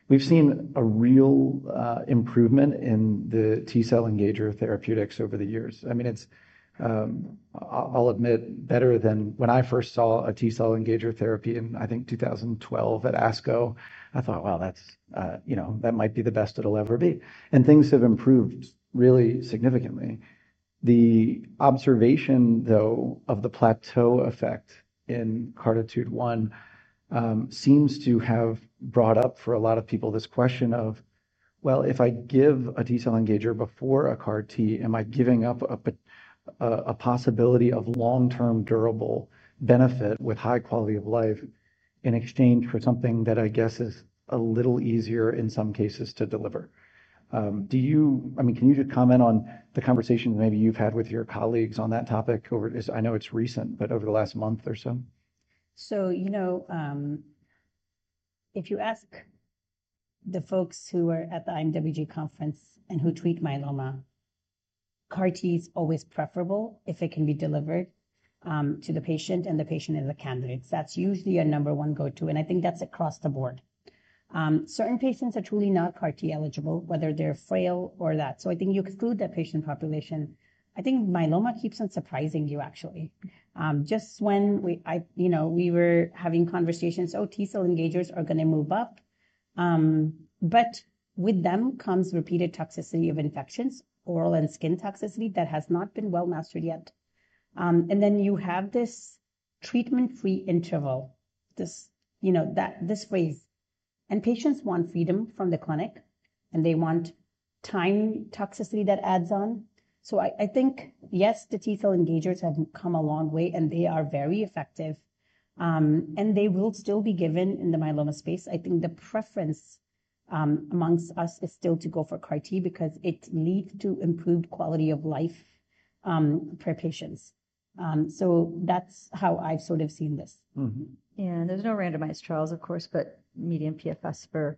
we've seen a real improvement in the T cell engager therapeutics over the years. I mean, it's, I'll admit, better than when I first saw a T cell engager therapy in I think 2012 at ASCO. I thought, wow, that's, you know, that might be the best it'll ever be. Things have improved really significantly. The observation though of the plateau effect in CARTITUDE-1 seems to have brought up for a lot of people this question of, if I give a T cell engager before a CAR T, am I giving up a possibility of long-term durable benefit with high quality of life in exchange for something that I guess is a little easier in some cases to deliver? Do you, I mean, can you just comment on the conversation maybe you've had with your colleagues on that topic? I know it's recent, but over the last month or so. You know, if you ask the folks who are at the IMWG conference and who treat myeloma, CAR T is always preferable if it can be delivered to the patient and the patient and the candidates. That's usually a number one go to. I think that's across the board. Certain patients are truly not CAR T eligible, whether they're frail or that. I think you exclude that patient population. I think myeloma keeps on surprising you. Actually just when we were having conversations. Oh, T cell engagers are going to move up but with them comes repeated toxicity of infections. Oral and skin toxicity that has not been well mastered yet. You have this treatment free interval, this phrase and patients want freedom from the clinic and they want time toxicity that adds on. I think yes, the T cell engagers have come a long way and they are very effective and they will still be given in the myeloma space. I think the preference amongst us is still to go for CAR T because it leads to improved quality of life for patients. That's how I've seen this. There's no randomized trials of course, but median PFS for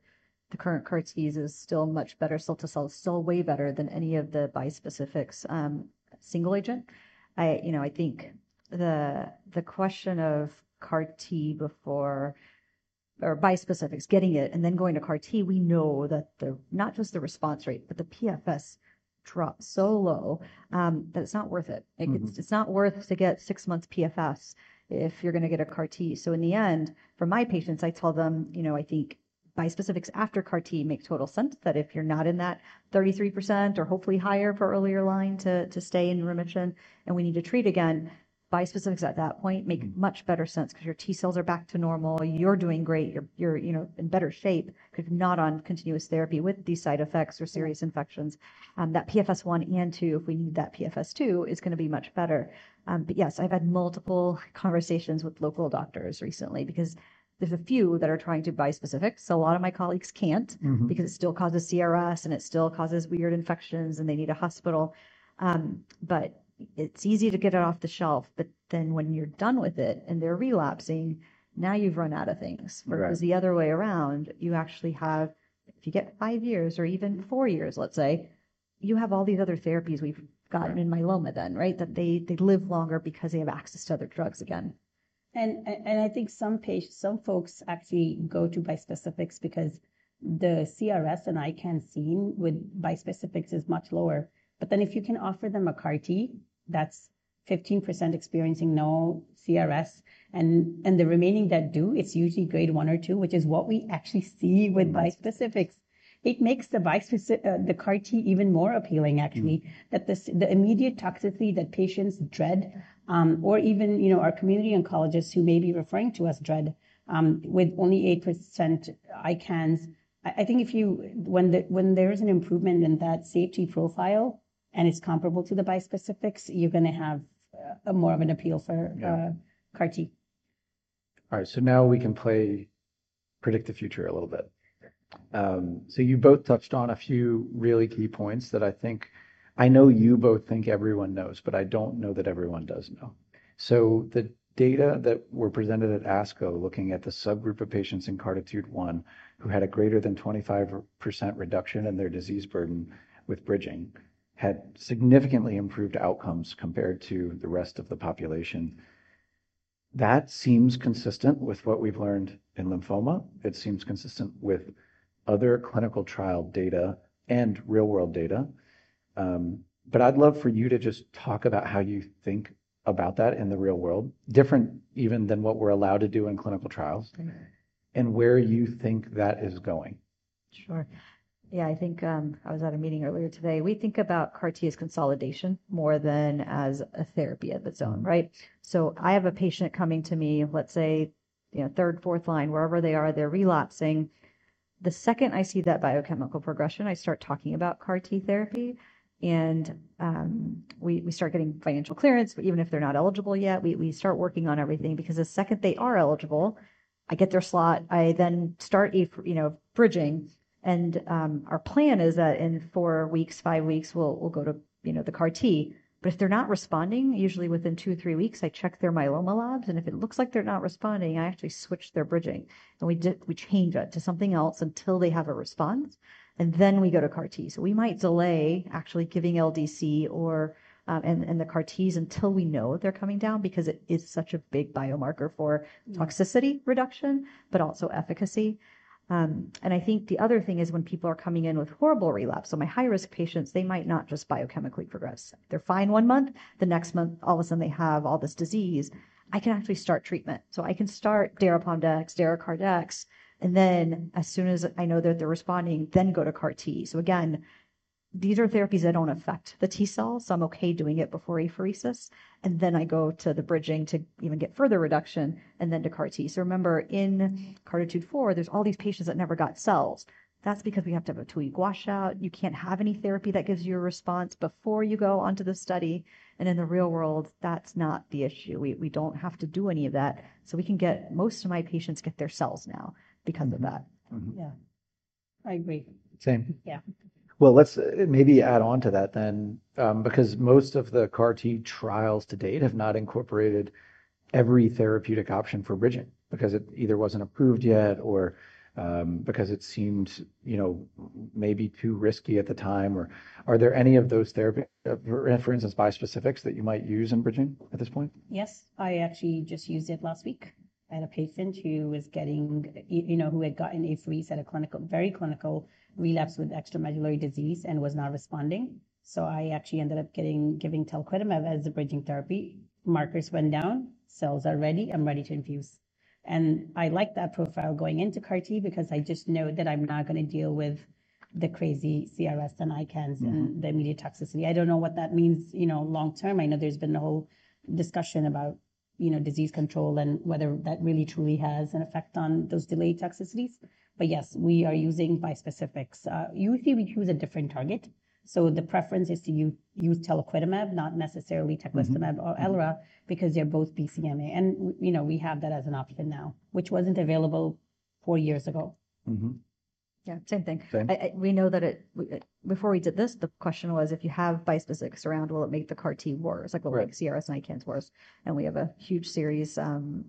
the current CAR Ts is still much better cell to cell. Still way better than any of the bispecifics single agent. I, you know, I think the question of CAR T before or bispecifics getting it and then going to CAR T, we know that the, not just the response rate but the PFS drops so low that it's not worth it, it's not worth to get six months PFS if you're going to get a CAR T. In the end for my patients I tell them, you know, I think bispecifics after CAR T make total sense that if you're not in that 33% or hopefully higher for earlier line to stay in remission and we need to treat again. Bispecifics at that point make much better sense because your T cells are back to normal, you're doing great, you're in better shape if not on continuous therapy with these side effects or serious infections that PFS 1 and 2, if we need that PFS 2 is going to be much better. Yes, I've had multiple conversations with local doctors recently because there's a few that are trying to buy specifics. A lot of my colleagues can't because it still causes CRS and it still causes weird infections and they need a hospital, but it's easy to get it off the shelf. When you're done with it and they're relapsing now, you've run out of things. Whereas the other way around, you actually have. If you get five years or even four years, let's say you have all these other therapies we've gotten in myeloma, then. Right. That they live longer because they have access to other drugs again. I think some folks actually go to bispecifics because the CRS and ICANS seen with bispecifics is much lower. If you can offer them a CAR T that's 15% experiencing no CRS and the remaining that do, it's usually grade one or two, which is what we actually see with bispecifics. It makes the CAR T even more appealing, actually, that the immediate toxicity that patients dread, or even our community oncologists, who may be referring to us, dread. With only 8% ICANS, I think when there is an improvement in that safety profile and it's comparable to the bispecifics, you're going to have more of an appeal for CAR T. All right. Now we can play Predict the future a little bit. You both touched on a few really key points that I think I know. You both think everyone knows, but I do not know that everyone does know. The data that were presented at ASCO, looking at the subgroup of patients in CARTITUDE-1 who had a greater than 25% reduction in their disease burden with bridging, had significantly improved outcomes compared to the rest of the population. That seems consistent with what we have learned in lymphoma. It seems consistent with other clinical trial data and real world data. I would love for you to just talk about how you think about that in the real world. Different even than what we are allowed to do in clinical trials. Where you think that is going. Sure, yeah. I think I was at a meeting earlier today. We think about CAR T as consolidation more. More than as a therapy of its own. Right. So I have a patient coming to me, let's say, you know, third, fourth line, wherever they are, they're relapsing. The second I see that biochemical progression, I start talking about CAR T therapy and we start getting financial clearance. Even if they're not eligible yet, we start working on everything, because the second they are eligible, I get their slot. I then start bridging and our plan is that in four weeks, five weeks, we'll go to bridging, you know, the CAR T. If they're not responding, usually within two or three weeks, I check their myeloma labs and if it looks like they're not responding, I actually switch their bridging and we change it to something else until they have a response and then we go to CAR T. We might delay actually giving LDC or the CAR Ts until we know they're coming down because it is such a big biomarker for toxicity reduction, but also efficacy. I think the other thing is when people are coming in with horrible relapse. My high risk patients, they might not just biochemically progress. They're fine one month, the next month, all of a sudden they have all this disease. I can actually start treatment. I can start Dara-Pom-Dex, Dara-KRD, and then as soon as I know that they're responding, then go to CAR T. Again, these are therapies that don't affect the T cell. I'm okay doing it before apheresis and then I go to the bridging to even get further reduction and then to CAR T. Remember in CARTITUDE-4 there's all these patients that never got SOC cells. That's because we have to have a two week washout. You can't have any therapy that gives you a response before you go onto the study. In the real world that's not the issue. We don't have to do any of that. Most of my patients get their cells now because of that. Yeah, I agree. Same. Yeah. Let's maybe add on to that then because most of the CAR T trials to date have not incorporated every therapeutic option for bridging because it either wasn't approved yet or because it seemed, you know, maybe too risky at the time. Are there any of those therapy, for instance, bispecifics that you might use in bridging at this point? Yes, I actually just used it last week. I had a patient who was getting, you know, who had gotten Aphrodis at a clinical, very clinical, relapsed with extramedullary disease and was not responding. I actually ended up giving talquetamab as the bridging therapy. Markers went down. Cells are ready, I'm ready to infuse. I like that profile going into CAR T because I just know that I'm not going to deal with the crazy CRS and ICANS and the immediate toxicity. I don't know what that means, you know, long term. I know there's been a whole discussion about, you know, disease control and whether that really, truly has an effect on those delayed toxicities. Yes, we are using bispecifics. Usually we choose a different target. The preference is to use talquetamab, not necessarily teclistamab or Elranatamab because they're both BCMA. You know, we have that as an option now, which was not available four years ago. Yeah, same thing. We know that before we did this, the question was if you have bispecifics around, will it make the CAR T worse? Like will it make CRS and ICANS worse? We have a huge series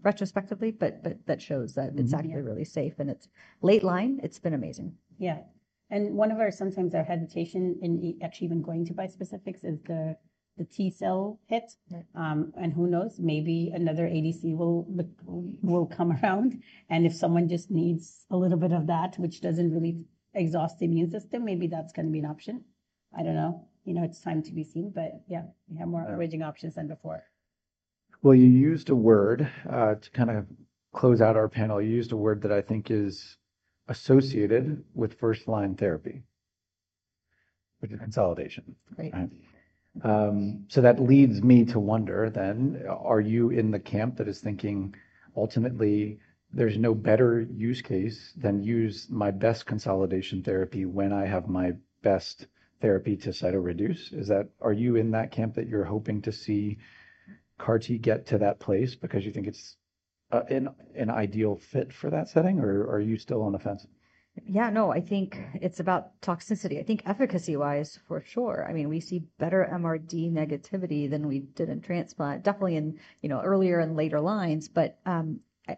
retrospectively, but that shows that it's actually really safe. It's late line. It's been amazing. Yeah. One of our, sometimes our hesitation in actually even going to bispecifics is the T cell hit. Who knows, maybe another ADC will come around. If someone just needs a little bit of that, which does not really exhaust the immune system, maybe that is going to be an option. I do not know. You know, it is time to be seen. Yeah, you have more raging options than before. You used a word to kind of close out our panel. You used a word that I think is associated with first line therapy, which is consolidation. That leads me to wonder then, are you in the camp that is thinking ultimately there's no better use case than use my best consolidation therapy when I have my best therapy to cyto reduce? Is that, are you in that camp that you're hoping to see CAR T get to that place because you think it's an ideal fit for that setting or are you still on the fence? Yeah, no, I think it's about toxicity. I think efficacy wise for sure. I mean we see better MRD negativity than we did in transplant, definitely in earlier and later lines.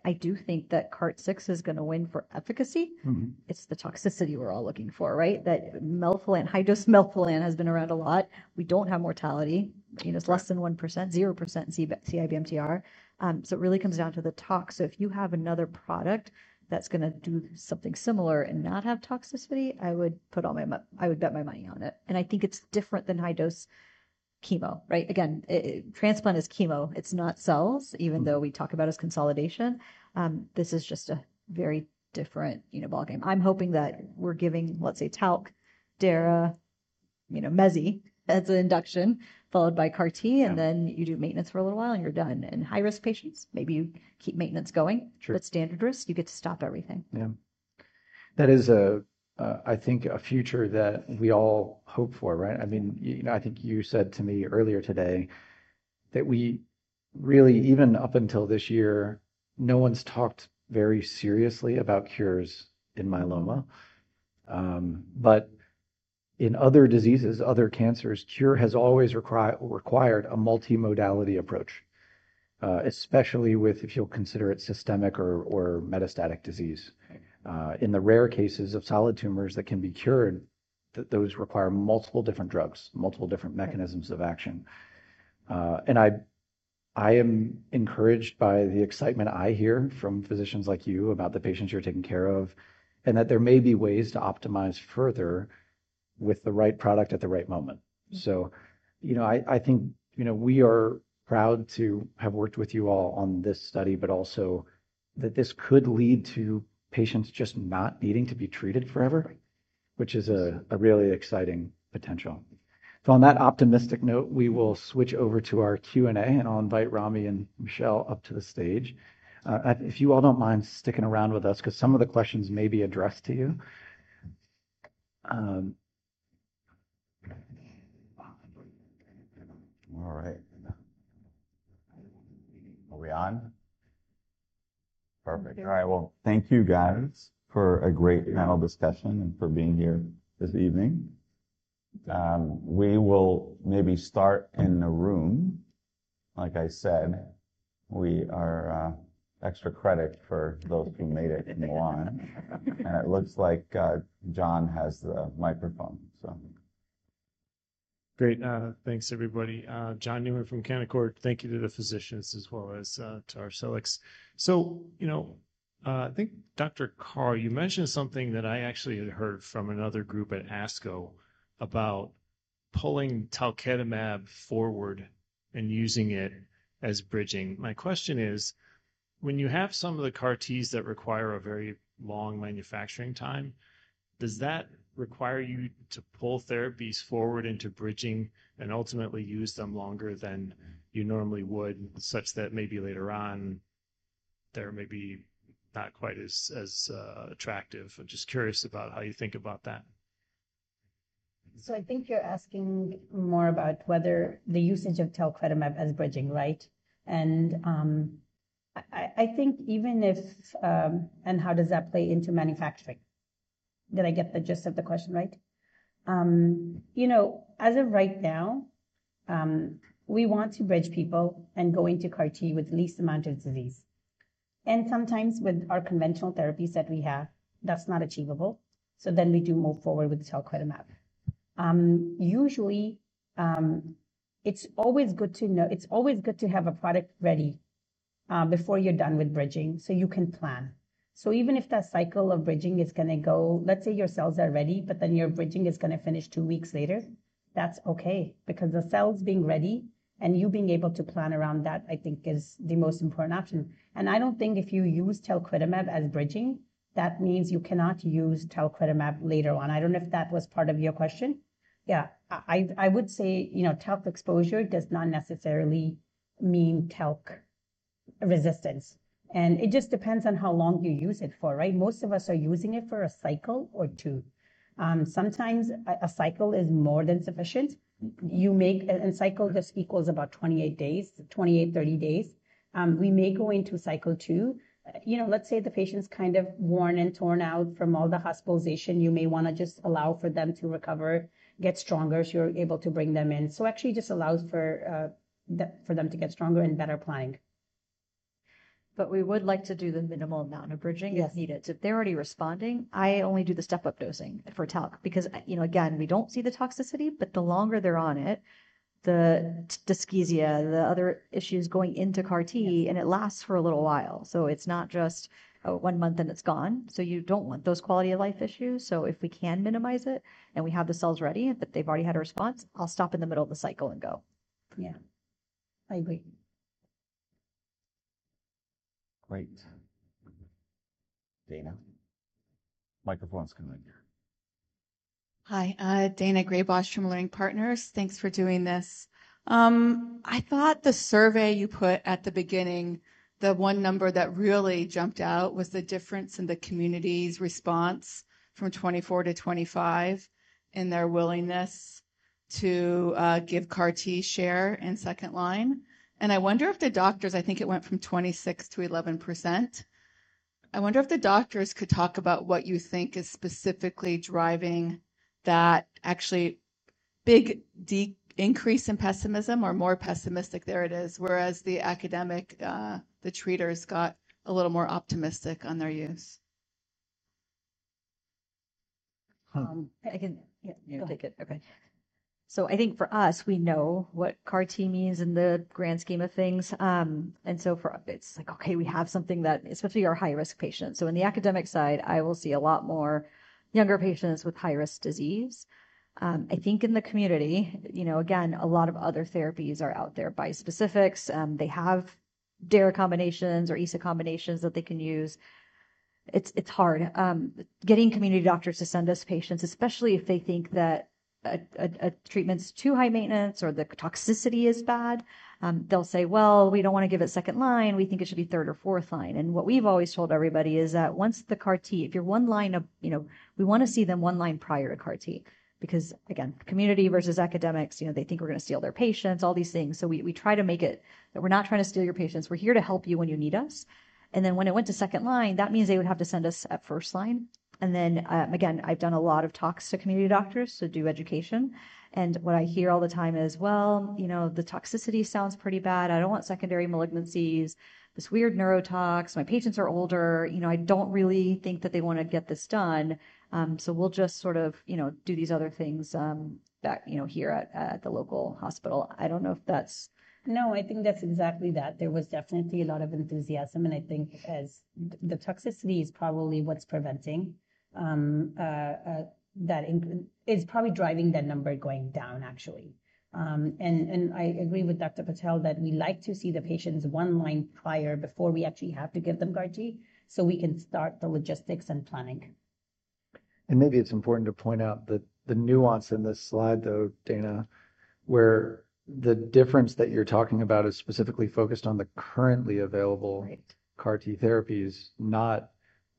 I do think that CART-6 is going to win for efficacy. It's the toxicity we're all looking for. Right. That melphalan, high-dose melphalan has been around a lot. You don't have mortality. You know, it's less than 1%, 0% CIB, MTR. It really comes down to the tox. If you have another product that's going to do something similar and not have toxicity, I would put all my, I would bet my money on it. I think it's different than high-dose chemo. Right. Again, transplant is chemo. It's not cells. Even though we talk about as consolidation, this is just a very different, you know, ball game. I'm hoping that we're giving, let's say, talc Dara, you know, mezzi as an induction followed by CAR T. And then you do maintenance for a little while and you're done. In high risk patients, maybe you keep maintenance going, but standard risk, you get to stop everything. Yeah. That is, I think, a future that we all hope for. Right? I mean, I think you said to me earlier today that we really even up until this year, no one's talked about very seriously about cures in myeloma. In other diseases, other cancers, cure has always required a multimodality approach, especially with, if you'll consider it, systemic or metastatic disease. In the rare cases of solid tumors that can be cured, those require multiple different drugs, multiple different mechanisms of action. I am encouraged by the excitement I hear from physicians like you about the patients you're taking care of and that there may be ways to optimize further with the right product at the right moment. You know, I think we are proud to have worked with you all on this study, but also that this could lead to patients just not needing to be treated forever, which is a really exciting potential. On that optimistic note, we will switch over to our Q and A and I'll invite Rami and Michelle up to the stage if you all don't mind sticking around with us because some of the questions may be addressed to you. All right. Are we on? Perfect. All right, thank you guys for a great panel discussion and for being here this evening. We will maybe start in the room. Like I said, extra credit for those who made it. Milan. And it looks like John has the microphone, so. Great. Thanks, everybody. John Newman from Canaccord. Thank you to the physicians as well as to Arcellx. You know, I think, Dr. Kaur. You mentioned something that I actually had heard from another group at ASCO about pulling talquetamab forward and using it as bridging. My question is, when you have some of the CAR Ts that require a very long manufacturing time, does that require you to pull therapies forward into bridging and ultimately use them longer than you normally would such that maybe later on there may be not quite as attractive? I'm just curious about how you think about that. I think you're asking more about whether the usage of talquetamab has bridging, right. I think even if, and how does that play into manufacturing? Did I get the gist of the question right? You know, as of right now, we want to bridge people and go into CAR T with the least amount of disease. Sometimes with our conventional therapies that we have, that's not achievable. Then we do move forward with talquetamab, usually. It's always good to know, it's always good to have a product ready before you're done with bridging, so you can plan. Even if that cycle of bridging is going to go, let's say your cells are ready, but then your bridging is going to finish two weeks later, that's okay. Because the cells being ready and you being able to plan around that, I think is the most important option. I do not think if you use talquetamab as bridging, that means you cannot use talquetamab later on. I do not know if that was part of your question. Yeah, I would say, you know, talc exposure does not necessarily mean talc resistance, and it just depends on how long you use it for. Right. Most of us are using it for a cycle or two. Sometimes a cycle is more than sufficient. You make, and cycle just equals about 28 days. 28, 30 days. We may go into cycle two. You know, let's say the patient's kind of worn and torn out from all the hospitalization. You may want to just allow for them to recover, get stronger so you're able to bring them in. Actually just allows for them to get stronger and better planning. We would like to do the minimal amount of bridging if needed. If they're already responding, I only do the step-up dosing for talc because, you know, again, we don't see the toxicity. The longer they're on it, the dysgeusia, the other issues going into CAR T, and it lasts for a little while, so it's not just one month and it's gone. You don't want those quality of life issues. If we can minimize it and we have the cells ready, but they've already had a response, I'll stop in. The middle of the cycle and go, yeah, I agree. Great. Daina, microphones. Can I hear? Hi, Daina Graybosch from Leerink Partners. Thanks for doing this. I thought the survey you put out. The beginning, the one number that really. Jumped out was the difference in the. Community's response from 2024 to 2025 in their willingness to give CAR T share in second line. I wonder if the doctors—I think it went from 26% to 11%. I wonder if the doctors could talk about what you think is specifically driving that actually big increase in pessimism or more pessimistic. There it is. Whereas the academic, the treaters got a little more optimistic on their use. I can take it. Okay. I think for us, we know what CAR T means in the grand scheme of things. For us, it is like, okay, we have something that especially our high risk patients. In the academic side, I will see a lot more younger patients with high risk disease. I think in the community, you know, again, a lot of other therapies are out there, bispecifics. They have DARA combinations or ESA combinations that they can use. It is hard getting community doctors to send us patients, especially if they think that a treatment is too high maintenance or the toxicity is bad. They will say, we do not want to give it second line. We think it should be third or fourth line. What we've always told everybody is that once the CAR T, if you're one line of, you know, we want to see them one line prior to CAR T because again, community versus academics, you know, they think we're going to steal their patients, all these things. We try to make it that we're not trying to steal your patients. We're here to help you when you need us. When it went to second line, that means they would have to send us at first line. Again, I've done a lot of talks to community doctors to do education. What I hear all the time is, you know, the toxicity sounds pretty bad. I don't want secondary malignancies. This weird neurotox. My patients are older, you know, I don't really think that they want to get this done. We'll just sort of, you know, do these other things that, you know, here at the local hospital. I don't know if that's. No, I think that's exactly that. There was definitely a lot of enthusiasm. I think because the toxicity is probably what's preventing that, it is probably driving that number going down, actually. I agree with Dr. Patel that we like to see the patients one line prior before we actually have to give them GARDI so we can start the logistics and planning. Maybe it's important to point out that the nuance in this slide though, Daina, where the difference that you're talking about is specifically focused on the currently available CAR T therapies, not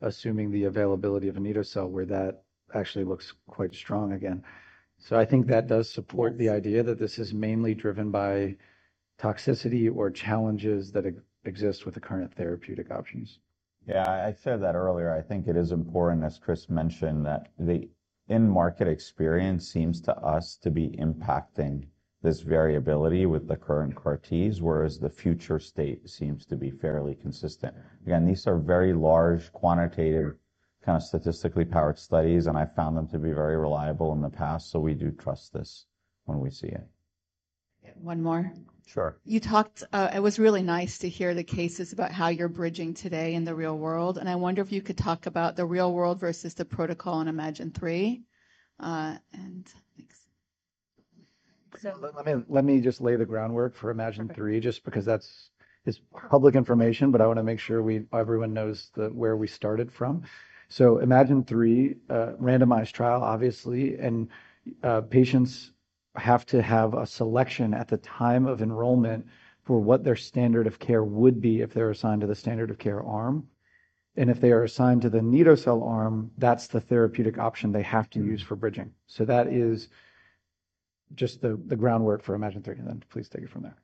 assuming the availability of anito-cel where that actually looks quite strong again. I think that does support the idea that this is mainly driven by toxicity or challenges that exist with the current therapeutic options. Yeah, I said that earlier. I think it is important, as Chris mentioned, that the in-market experience seems to us to be impacting this variability with the current CAR T's whereas the future state seems to be fairly consistent. Again, these are very large quantitative, kind of statistically powered studies and I found them to be very reliable in the past. So we do trust this when we see it. One more. Sure. You talked. It was really nice to hear the. Cases about how you're bridging today in the real world. I wonder if you could talk. About the real world versus the protocol in Imagine 3. Thanks. Let me just lay the groundwork for Imagine 3 just because that's public information, but I want to make sure everyone knows where we started from. Imagine 3 randomized trial, obviously, and patients have to have a selection at the time of enrollment for what their standard of care would be if they're assigned to the standard of care arm. If they are assigned to the anito-cel arm, that's the therapeutic option they have to use for bridging. That is just the groundwork for Imagine 3. Please take it from there.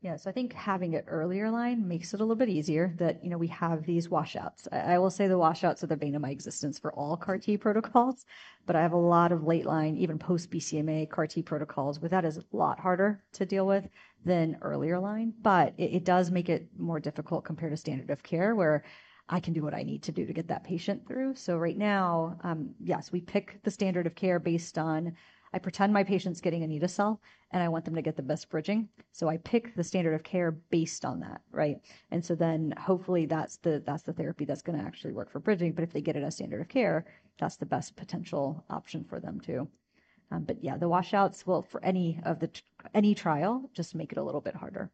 Yeah. I think having it earlier line makes it a little bit easier that, you know, we have these washouts. I will say the washouts are the bane of my existence for all CAR T protocols, but I have a lot of late line, even post BCMA CAR T protocols where that is a lot harder to deal with than earlier line. It does make it more difficult compared to standard of care where I can do what I need to do to get that patient through. Right now, yes, we pick the standard of care based on I pretend my patient's getting anito-cel and I want them to get the best bridging. I pick the standard of care based on that. Right. Hopefully that's the therapy that's going to actually work for bridging. If they get it as standard of care, that's the best potential option for them too. The washouts will for any trial just make it a little bit harder.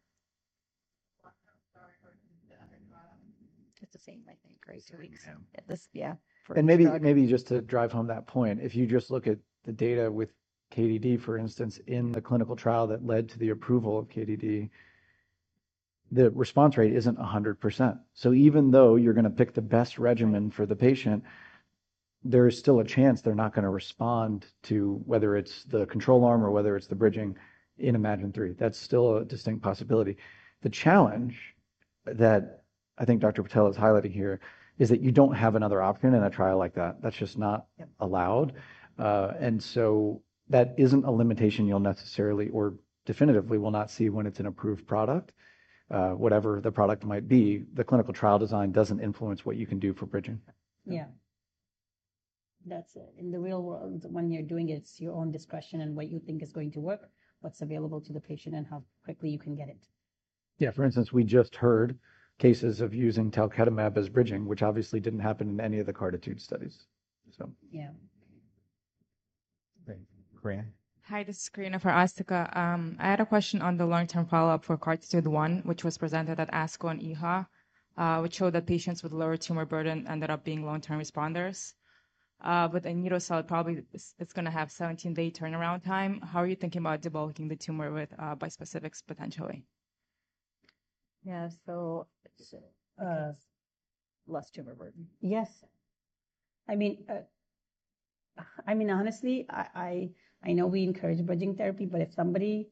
It's the same, I think, right. Two weeks. Yeah. Maybe, maybe just to drive home that point, if you just look at the data with KDD, for instance, in the clinical trial that led to the approval of KDD, the response rate isn't 100%. Even though you're going to pick the best regimen for the patient, there is still a chance they're not going to respond to whether it's the control arm or whether it's the bridging in Imagine 3, that's still a distinct possibility. The challenge that I think Dr. Patel is highlighting here is that you don't have another option in a trial like that. That's just not allowed. That isn't a limitation you'll necessarily or definitively will not see when it's an approved product, whatever the product might be. The clinical trial design doesn't influence what you can do for bridging. Yeah. That's in the real world, when you're doing it, it's your own discretion and what you think is going to work, what's available to the patient and how quickly you can get it. Yeah. For instance, we just heard cases of using talquetamab as bridging, which obviously did not happen in any of the CARTITUDE studies. Yeah. Krina. Hi, this is Krina from Arcellx. I had a question on the long term follow up for Cartitude 1, which was presented at ASCO and EHA, which showed that patients with lower tumor burden ended up being long term responders with anito-cel. Probably it's going to have 17 day turnaround time. How are you thinking about debulking the tumor with bispecifics? Potentially, yeah. Less tumor burden? Yes. I mean, honestly, I know we encourage bridging therapy, but if somebody,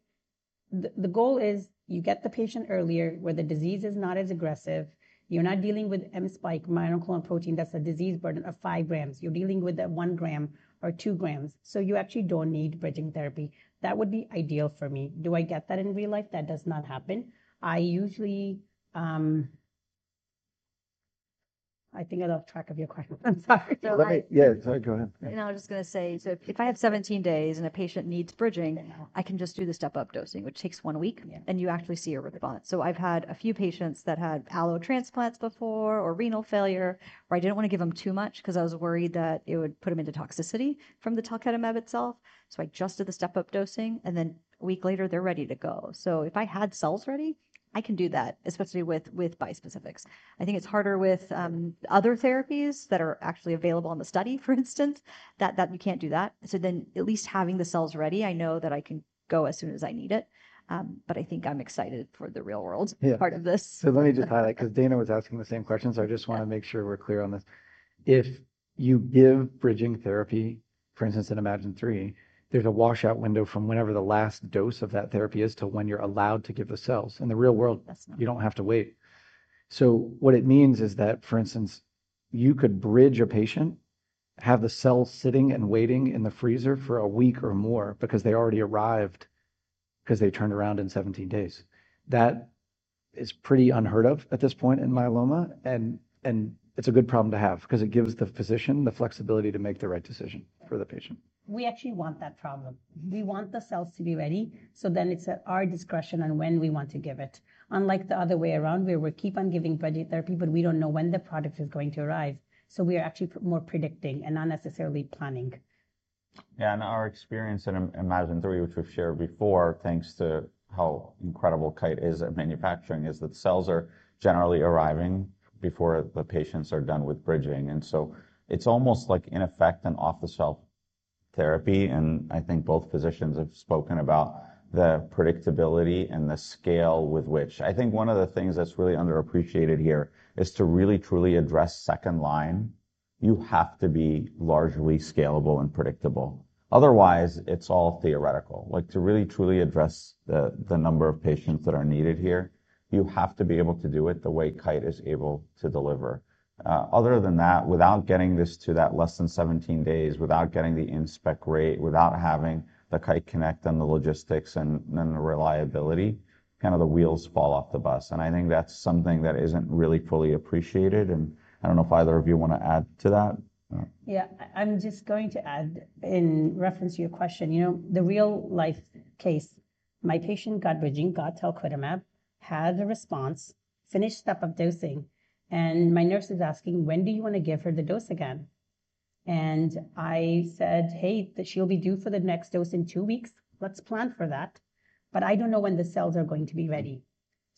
the goal is you get the patient earlier where the disease is not as aggressive. You're not dealing with M spike monoclonal protein. That's a disease burden of 5 grams. You're dealing with that 1 gram or 2 grams. So you actually don't need bridging therapy. That would be ideal for me. Do I get that in real life? That does not happen. I usually. I think I lost track of your question. I'm sorry. Yeah, sorry. Go ahead. Now, I was just going to say. If I have 17 days and a patient needs bridging, I can just do the step up dosing which takes one a week and you actually see a response. I've had a few patients that had allo transplants before or renal failure where I did not want to give them too much because I was worried that it would put them into toxicity from the talquetamab itself. I just did the step up dosing and then a week later they're ready to go. If I had cells ready, I can do that. Especially with bispecifics. I think it's harder with other therapies that are actually available in the study, for instance, that you can't do that. At least having the cells ready, I know that I can go as soon as I need it, but I think I'm excited for the real world part of this. Let me just highlight, because Daina was asking the same question. I just want to make sure we're clear on this. If you give bridging therapy, for instance, in Imagine 3, there's a washout window from whenever the last dose of that therapy is to when you're allowed to give the cells. In the real world, you don't have to wait. What it means is that, for instance, you could bridge a patient, have the cell sitting and waiting in the freezer for a week or more because they already arrived, because they turned around in 17 days. That is pretty unheard of at this point in myeloma. It's a good problem to have because it gives the physician the flexibility to make the right decision for the patient. We actually want that problem. We want the cells to be ready. Then it's at our discretion on when we want to give it. Unlike the other way around where we keep on giving bridging therapy, but we don't know when the product is going to arrive. We are actually more predicting and not necessarily planning. Our experience in Imagine 3, which we've shared before, thanks to how incredible Kite is at manufacturing, is that cells are generally arriving before the patients are done with bridging. It is almost like in effect an off the shelf therapy. I think both physicians have spoken about the predictability and the scale with which I think one of the things that's really underappreciated here is to really, truly address second line, you have to be largely scalable and predictable. Otherwise it's all theoretical. To really, truly address the number of patients that are needed here, you have to be able to do it the way Kite is able to deliver. Other than that, without getting this to that less than 17 days, without getting the inspector rate, without having the Kite connect and the logistics and then the reliability, kind of the wheels fall off the bus. I think that's something that isn't really fully appreciated. I don't know if either of you want to add to that. Yeah, I'm just going to add in reference to your question, you know, the real-life case, my patient got bridging, got talquetamab, had a response, finished step of dosing, and my nurse is asking, when do you want to give her the dose again? I said, hey, she'll be due for the next dose in two weeks. Let's plan for that. I do not know when the cells are going to be ready.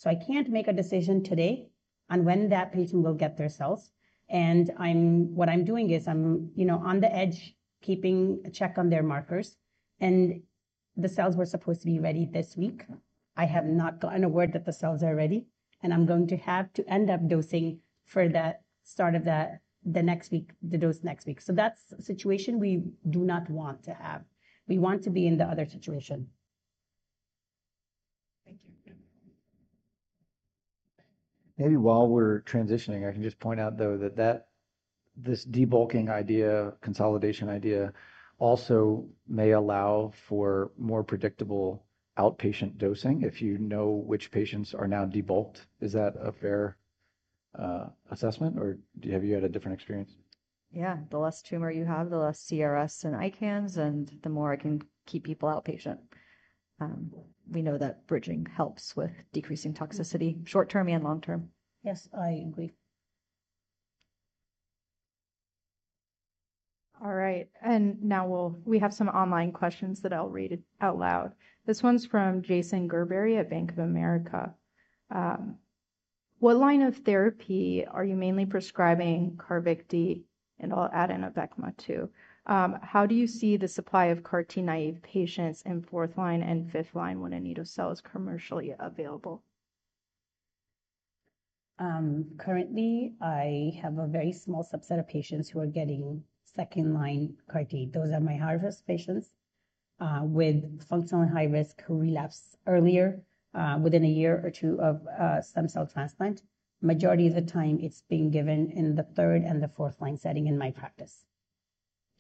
I cannot make a decision today on when that patient will get their cells. What I'm doing is I'm on the edge, keeping a check on their markers, and the cells were supposed to be ready this week. I have not gotten a word that the cells are ready. I'm going to have to end up dosing for that, start of that the next week, the dose next week. That's a situation we do not want to have. We want to be in the other situation. Thank you. Maybe while we're transitioning, I can just point out, though, that this debulking idea, consolidation idea also may allow for more predictable outpatient dosing if you know which patients are now debulked. This. Is that a fair assessment or have you had a different experience? Yeah, the less tumor you have, the less CRS and ICANS, and the more I can keep people outpatient. We know that bridging helps with decreasing toxicity short term and long term. Yes, I agree. All right. Now we have some online questions that I'll read out loud. This one's from Jason Gerberry at Bank of America. What line of therapy are you mainly prescribing Carvykti, and I'll add in Abecma, too. How do you see the supply of CAR T naive patients in fourth line and fifth line when anito-cel is commercially available? Currently, I have a very small subset of patients who are getting second line CAR T. Those are my harvest patients with functionally high risk relapse earlier within a year or two of stem cell transplant. Majority of the time, it's being given in the third and the fourth line setting in my practice.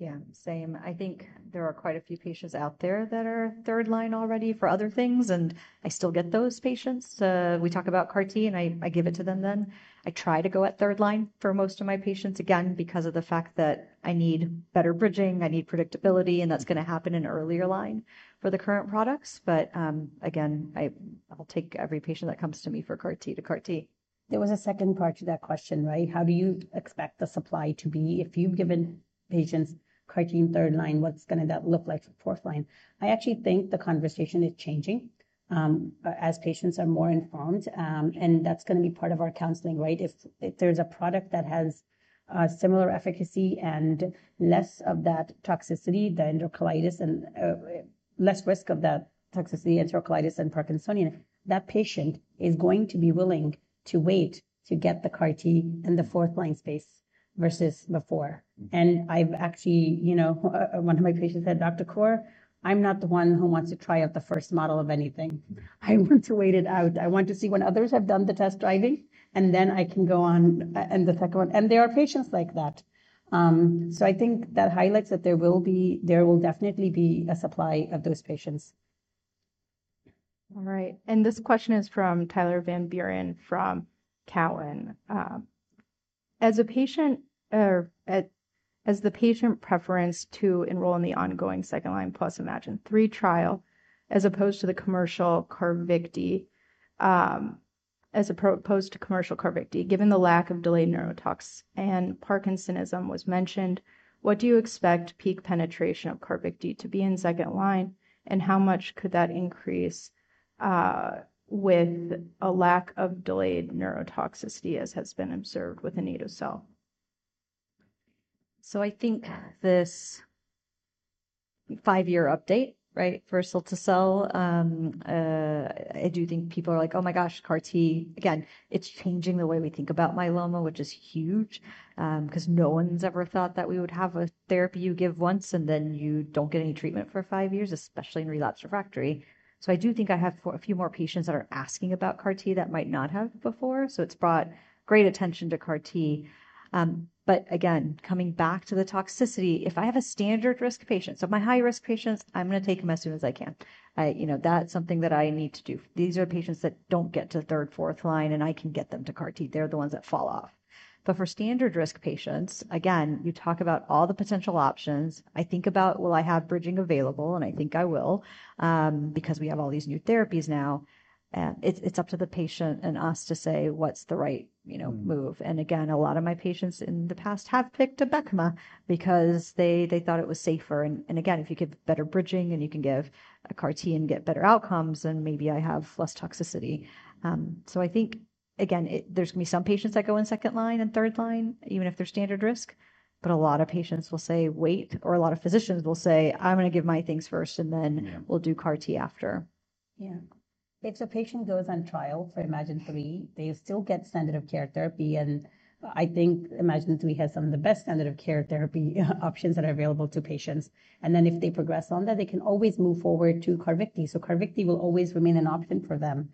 Yeah, same. I think there are quite a few patients out there that are third line already for other things. I still get those patients. We talk about CAR T and I give it to them. I try to go at third line for most of my patients. Again, because of the fact that I need better bridging. I need predictability, and that is going to happen in earlier line for the current products. Again, I will take every patient that comes to me for CAR T too. CAR T. There was a second part to that question, right. How do you expect the supply to be if you've given patients CAR T in third line? What's going to that look like for fourth line? I actually think the conversation is changing as patients are more informed. That's going to be part of our counseling, right. If there's a product that has similar efficacy and less of that toxicity, the enterocolitis and less risk of that toxicity, enterocolitis and parkinsonian, that patient is going to be willing to wait to get the CAR T in the fourth line space versus before. I've actually, you know, one of my patients said, Dr. Kaur, I'm not the one who wants to try out the first model of anything. I want to wait it out. I want to see when others have done the test driving and then I can go on and the second one. There are patients like that. I think that highlights that there will be. There will definitely be a supply of those patients. All right, and this question is from Tyler Van Buren from Cowen. As a patient or as the patient preference to enroll in the ongoing second line plus IMN-3 trial as opposed to the commercial Carvykti as opposed to commercial Carvykti, given the lack of delayed neurotox and parkinsonism was mentioned, what do you expect peak penetration of Carvykti to be in second line? And how much could that increase. With. A lack of delayed neurotoxicity as has been observed with anito-cel? I think this five year update, right, for Cilta-cel, I do think people are like, oh my gosh, CAR T again, it's changing the way we think about myeloma, which is huge, huge because no one's ever thought that we would have a therapy you give once and then you don't get any treatment for five years, especially in relapse refractory. I do think I have a few more patients that are asking about CAR T that might not have before. It's brought great attention to CAR T. Again, coming back to the toxicity, if I have a standard risk patient, so my high risk patients, I'm going to take them as soon as I can. You know, that's something that I need to do. These are patients that don't get to third or fourth line and I can get them to CAR T. They're the ones that fall off. For standard risk patients, again, you talk about all the potential options. I think about, will I have bridging available? I think I will because we have all these new therapies. Now it's up to the patient and us to say, what's the right move? A lot of my patients in the past have picked Abecma because they thought it was safer. If you give better bridging and you can give a CAR T and get better outcomes and maybe I have less toxicity. I think, again, there's going to be some patients that go in second line and third line, even if they're standard risk. A lot of patients will say wait, or a lot of physicians will say, I'm going to give my things first, and then we'll do CAR T after. Yeah. If the patient goes on trial for IMAGINE-3, they still get standard of care therapy. I think IMAGINE-3 has some of the best standard of care therapy options that are available to patients. If they progress on that, they can always move forward to Carvykti. Carvykti will always remain an option for them.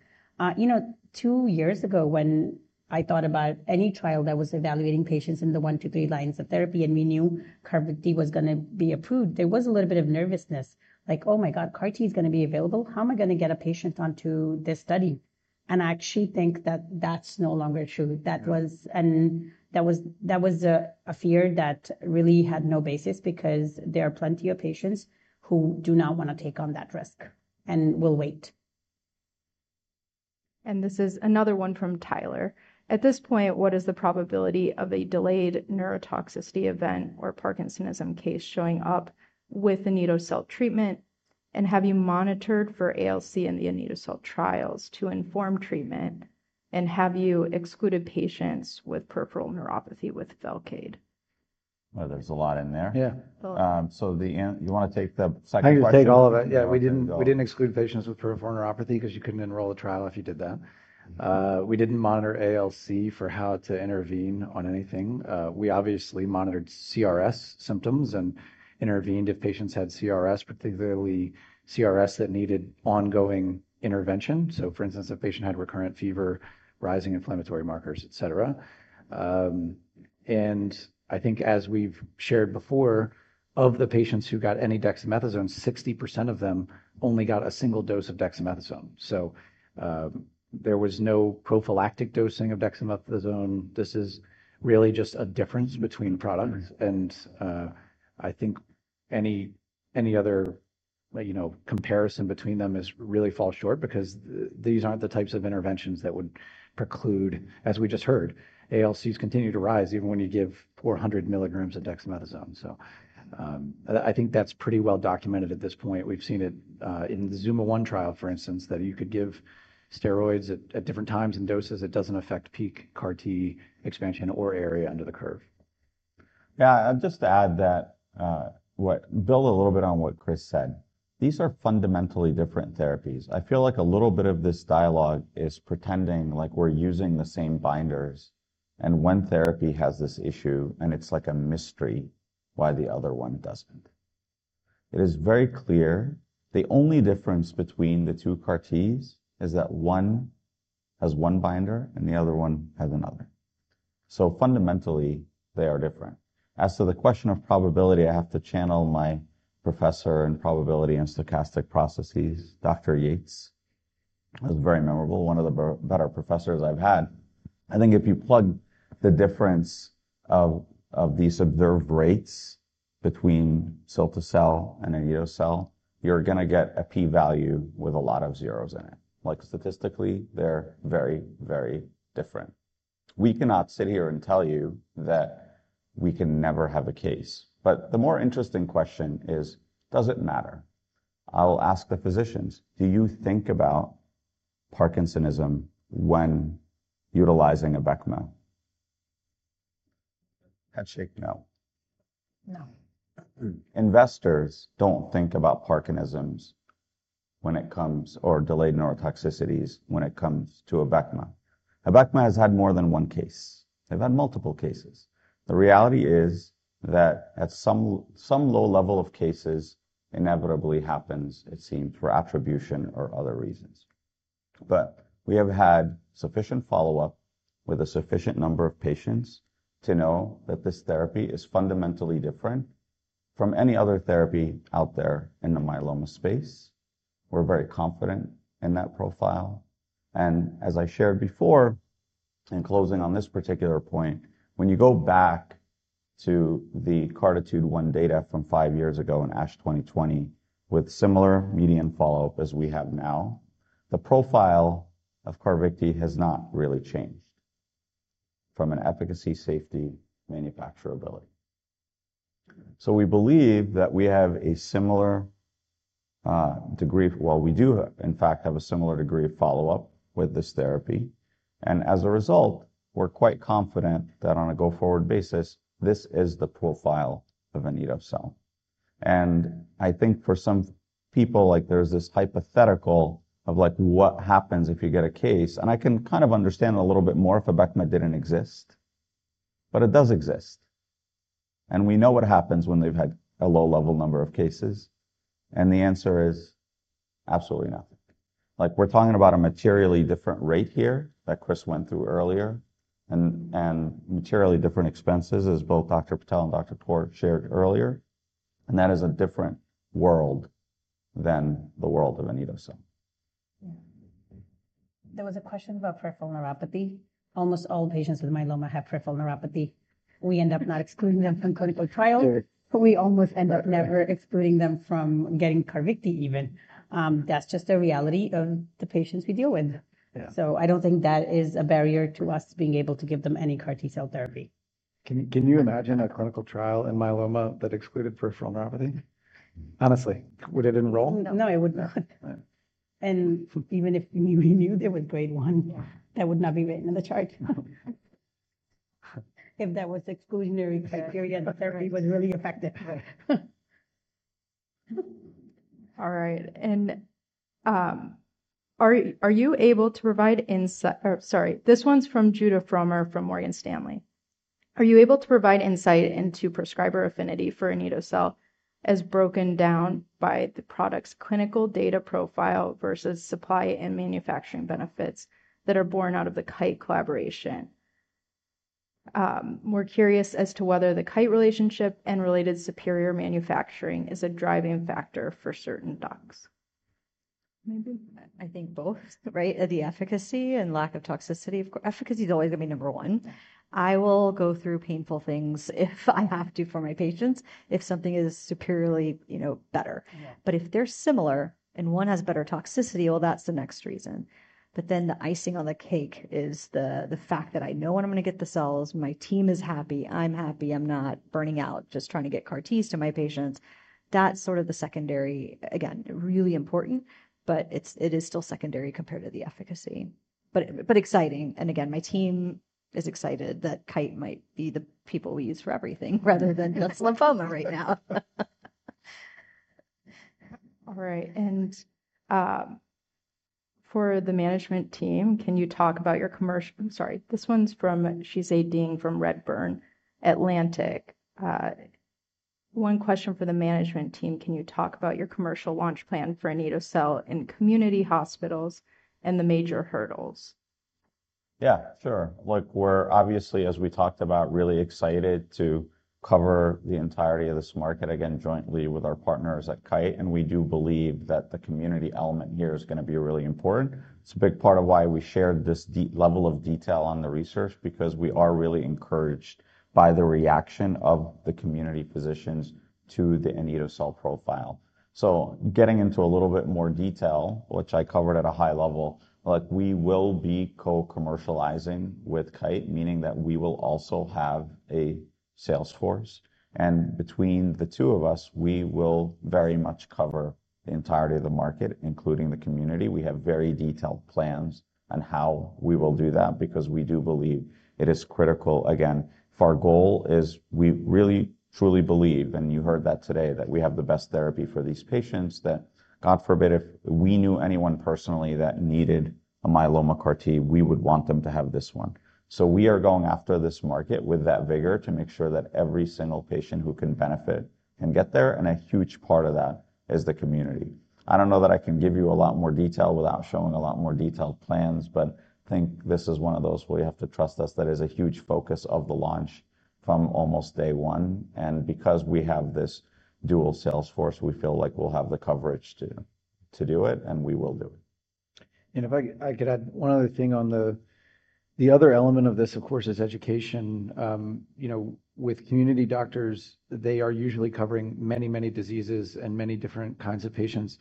You know, two years ago, when I thought about any trial that was evaluating patients in the one to three lines of therapy and we knew Carvykti was going to be approved, there was a little bit of nervousness, like, oh, my God, CAR T is going to be available. How am I going to get a patient onto this study? I actually think that is no longer true. That was. That was. That was a fear that really had no basis because there are plenty of patients who do not want to take on that risk and will wait. At this point, what is the probability of a delayed neurotoxicity event or Parkinsonism case showing up with anito-cel treatment? Have you monitored for ALC in the anito-cel trials to inform treatment? Have you excluded patients with peripheral neuropathy with Velcade? There's a lot in there. Yeah. You want to take the psychology? I can take all of it. Yeah. We didn't exclude patients with peripheral neuropathy because you couldn't enroll a trial if you did that. We didn't monitor ALC for how to intervene on anything. We obviously monitored CRS symptoms and intervened if patients had CRS, particularly CRS that needed ongoing intervention. For instance, a patient had recurrent fever, rising inflammatory markers, et cetera. I think, as we've shared before, of the patients who got any dexamethasone, 60% of them only got a single dose of dexamethasone. There was no prophylactic dosing of dexamethasone. This is really just a difference between products and I think any other comparison between them really falls short because these aren't the types of interventions that would preclude. As we just heard, ALCs continue to rise even when you give 400 milligrams of dexamethasone. I think that's pretty well documented at this point. We've seen it in the ZUMA-1 trial, for instance, that you could give steroids at different times and doses. It doesn't affect peak CAR T expansion or area under the curve. Yeah. Just to add that, build a little bit on what Chris said. These are fundamentally different therapies. I feel like a little bit of this dialogue is pretending like we're using the same binders and one therapy has this issue and it's like a mystery why the other one doesn't. It is very clear the only difference between the two CAR T's is that one has one binder and the other one has another. Fundamentally they are different. As to the question of probability, I have to channel my professor in probability and stochastic processes. Dr. Yates is very memorable, one of the better professors I've had. I think if you plug the difference of these observed rates between cilta-cel and ide-cel, you're going to get a P value with a lot of zeros in it. Like statistically they're very, very different. We cannot sit here and tell you that we can never have a case. The more interesting question is, does it matter? I will ask the physicians, do you think about Parkinsonism when utilizing Abecma? Headshake. No, no. Investors do not think about parkinsonisms or delayed neurotoxicities when it comes to Abecma. Abecma has had more than one case. They have had multiple cases. The reality is that at some low level of cases inevitably happens, it seems for attribution or other reasons. We have had sufficient follow up with a sufficient number of patients to know that this therapy is fundamentally different from any other therapy out there in the myeloma space. We are very confident in that profile. As I shared before in closing on this particular point, when you go back to the CARTITUDE-1 data from five years ago in ASH 2020 with similar median follow up as we have now, the profile of Carvykti has not really changed from an efficacy, safety, manufacture ability. We believe that we have a similar degree while we do in fact have a similar degree of follow up with this therapy. As a result, we're quite confident that on a go forward basis, this is the profile of anito-cel. I think for some people, like, there's this hypothetical of like, what happens if you get a case. I can kind of understand a little bit more if ABECMA didn't exist. It does exist and we know what happens when they've had a low level number of cases. The answer is absolutely nothing. We're talking about a materially different rate here that Chris went through earlier and materially different expenses as both Dr. Patel and Dr. Kaur shared earlier. That is a different world than the world of anito-cel. There was a question about peripheral neuropathy. Almost all patients with myeloma have peripheral neuropathy. We end up not excluding them from clinical trial. We almost end up never excluding them from getting Carvykti even. That's just the reality of the patients we deal with. I don't think that is a barrier to us being able to give them any CAR T cell therapy. Can you imagine a clinical trial in myeloma that excluded peripheral neuropathy? Honestly, would it enroll? No, it would not. Even if we knew there was grade one, that would not be written in the chart. If that was exclusionary criteria, the therapy was really effective. All right, and. Are. Are you able to provide insight or. Sorry, this one's from Judah Frommer from Morgan Stanley. Are you able to provide insight into prescriber affinity for anito-cel as broken down by the product's clinical data profile versus supply and manufacturing benefits that are born out of the Kite collaboration. We're curious as to whether the Kite relationship and related superior manufacturing is a driving factor for certain docs. I think both. Right. The efficacy and lack of toxicity. Efficacy is always going to be number one. I will go through painful things if I have to for my patients. If something is superiorly better, but if they are similar and one has better toxicity, well, that is the next reason. The icing on the cake is the fact that I know when I am going to get the cells. My team is happy. I am happy. I am not burning out, just trying to get CAR Ts to my patients. That is sort of the secondary. Again, really important. It is still secondary compared to the efficacy, but exciting. Again, my team is excited that Kite might be the people we use for everything rather than just lymphoma right now. All right. And. For the management team, can you talk about your commercial? I'm sorry, this one's from Qize Ding from Redburn Atlantic. One question for the management team. Can you talk about your commercial launch plan for anito-cel in community hospitals and the major hurdles? Yeah, sure. Look, we're obviously, as we talked about, really excited to cover the entirety of this market again jointly with our partners at Kite. We do believe that the community element here is going to be really important. It's a big part of why we shared this deep level of detail on the research because we are really encouraged by the reaction of the community physicians to the anito-cel profile. Getting into a little bit more detail, which I covered at a high level, we will be co-commercializing with Kite, meaning that we will also have a sales force. Between the two of us, we will very much cover the entirety of the market, including the community. We have very detailed plans on how we will do that because we do believe it is critical, again, for our goal is we really, truly believe, and you heard that today, that we have the best therapy for these patients that God forbid, if we knew anyone personally that needed a myeloma CAR T we would want them to have this one. We are going after this market with that vigor to make sure that every single patient who can benefit can get there. A huge part of that is the community. I do not know that I can give you a lot more detail without showing a lot more detailed plans, but I think this is one of those where you have to trust us. That is a huge focus of the launch from almost day one. Because we have this dual salesforce, we feel like we'll have the coverage to do it and we will do it. If I could add one other thing on, the other element of this, of course, is education with community doctors. They are usually covering many, many diseases and many different kinds of patients.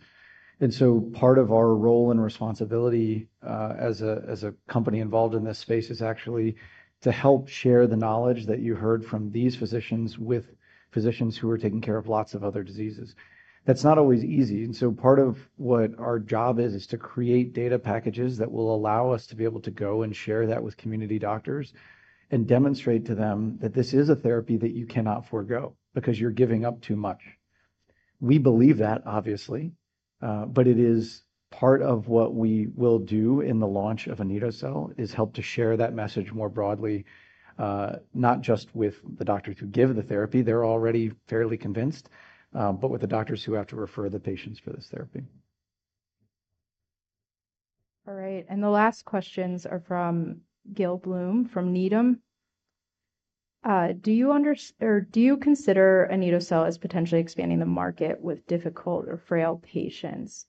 Part of our role and responsibility as a company involved in this space is actually to help share the knowledge that you heard from these physicians with physicians who are taking care of lots of other diseases. That is not always easy. Part of what our job is is to create data packages that will allow us to be able to go and share that with community doctors and demonstrate to them that this is a therapy that you cannot forego because you are giving up too much. We believe that, obviously, but it is part of what we will do in the launch of anito-cel is help to share that message more broadly, not just with the doctors who give the therapy. They're already fairly convinced, but with the doctors who have to refer the patients for this therapy. All right, and the last questions are from Gil Blum from Needham. Do you understand or do you consider anito-cel as potentially expanding the market with difficult or frail patients?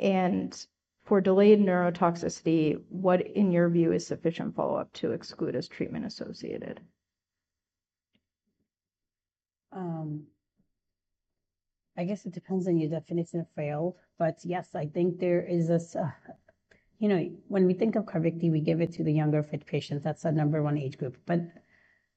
And for delayed neurotoxicity, what in your view is sufficient follow up to exclude as treatment associated? I guess it depends on your definition of failed. But yes, I think there is a, you know, when we think of Carvykti, we give it to the younger fit patients. That's the number one age group. But,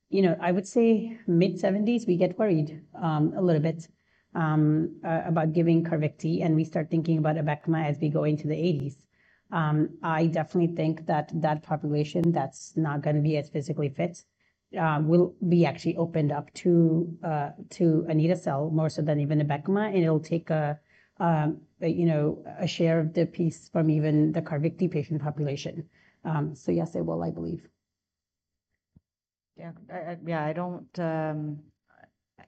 you know, I would say mid-70s, we get worried a little bit about giving Carvy, and we start thinking about Abecma as we go into the 80s. I definitely think that that population that's not going to be as physically fit will be actually opened up to anito-cel more so than even Abecma. And it'll take a share of the piece from even the Carvykti patient population. So yes, it will, I believe. Yeah. I don't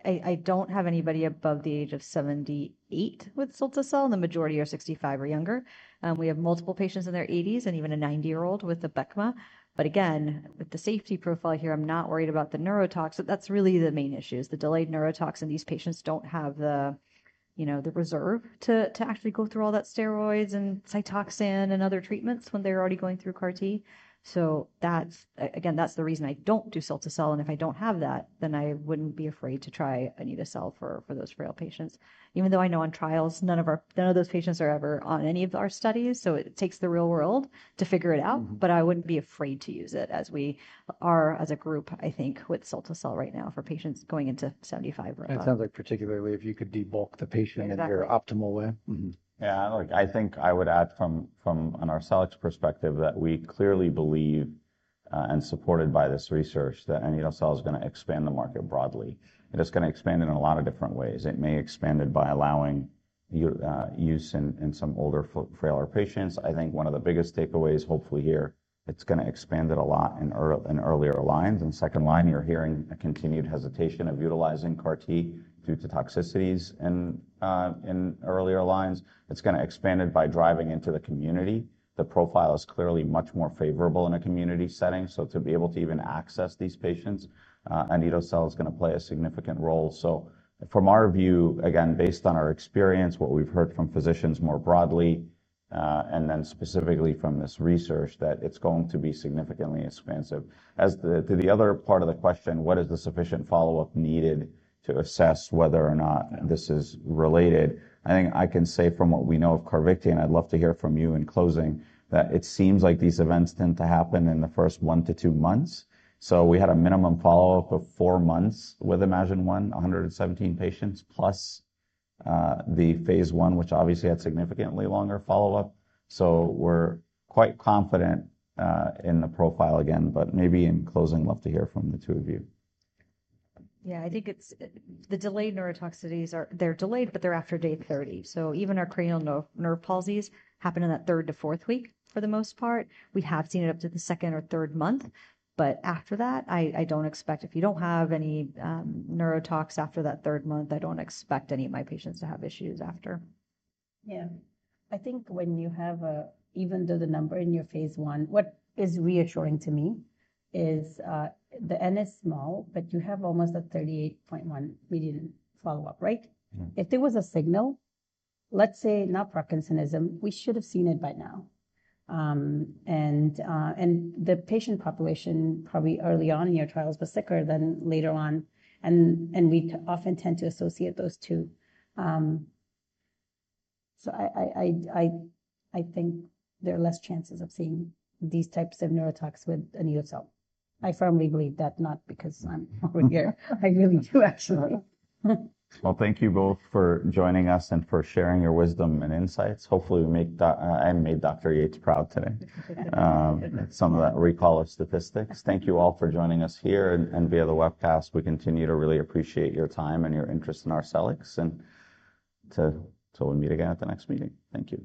have anybody above the age of 78 with Cilta-Cel. The majority are 65 or younger. We have multiple patients in their 80s and even a 90 year old with Abecma. Again, with the safety profile here, I'm not worried about the neurotox. That's really the main issue, the delayed neurotoxin. These patients don't have the, you know, the reserve to actually go through all that steroids and Cytoxan and other treatments when they're already going through CAR-T. That's the reason I don't do Cilta-Cel. If I don't have that, then I wouldn't be afraid to try Anito-cel for those frail patients. Even though I know on trials none of those patients are ever on any of our studies. It takes the real world to figure it out. I would not be afraid to use it as we are as a group. I think with cil right now for patients going into seventy-five, it sounds like. Particularly if you could debulk the patient in your optimal way. Yeah, I think I would add from an Arcellx perspective that we clearly believe and supported by this research that anito-cel is going to expand the market broadly and it's going to expand in a lot of different ways. It may expand it by allowing use in some older, frailer patients. I think one of the biggest takeaways, hopefully here it's going to expand it a lot in earlier lines and second line, you're hearing a continued hesitation of utilizing CAR T due to toxicities and in earlier lines it's going to expand it by driving into the community. The profile is clearly much more favorable in a community setting. To be able to even access these patients anito-cel is going to play a significant role. From our view, again based on our experience, what we've heard from physicians more broadly and then specifically from this research, that it's going to be significantly expensive. As to the other part of the question, what is the sufficient follow up needed to assess whether or not this is related? I think I can say from what we know of Carvycte and I'd love to hear from you in closing that it seems like these events tend to happen in the first one to two months. We had a minimum follow up of four months with imagine on 117 patients plus the phase one which obviously had significantly longer follow up. We're quite confident in the profile again. Maybe in closing, love to hear from the two of you. Yeah, I think it's the delayed neurotoxicities. They're delayed but they're after day 30. So even our cranial nerve palsies happen in that third to fourth week. For the most part we have seen it up to the second or third month but after that I don't expect. If you don't have any neurotox after that third month, I don't expect any of my patients to have issues after. Yeah, I think when you have even though the number in your phase I, what is reassuring to me is the N is small but you have almost a 38.1 median follow-up. Right. If there was a signal, say not Parkinsonism, we should have seen it by now. And the patient population probably early on in your trials was sicker than later on and we often tend to associate those two. I think there are less chances of seeing these types of neurotox with anito-cel. I firmly believe that. Not because I'm over here. I really do actually. Thank you both for joining us and for sharing your wisdom and insights. Hopefully we make I made Dr. Yates proud today some of that recall of statistics. Thank you all for joining us here and via the webcast. We continue to really appreciate your time and your interest in Arcellx. Until we meet again at the next meeting. Thank you.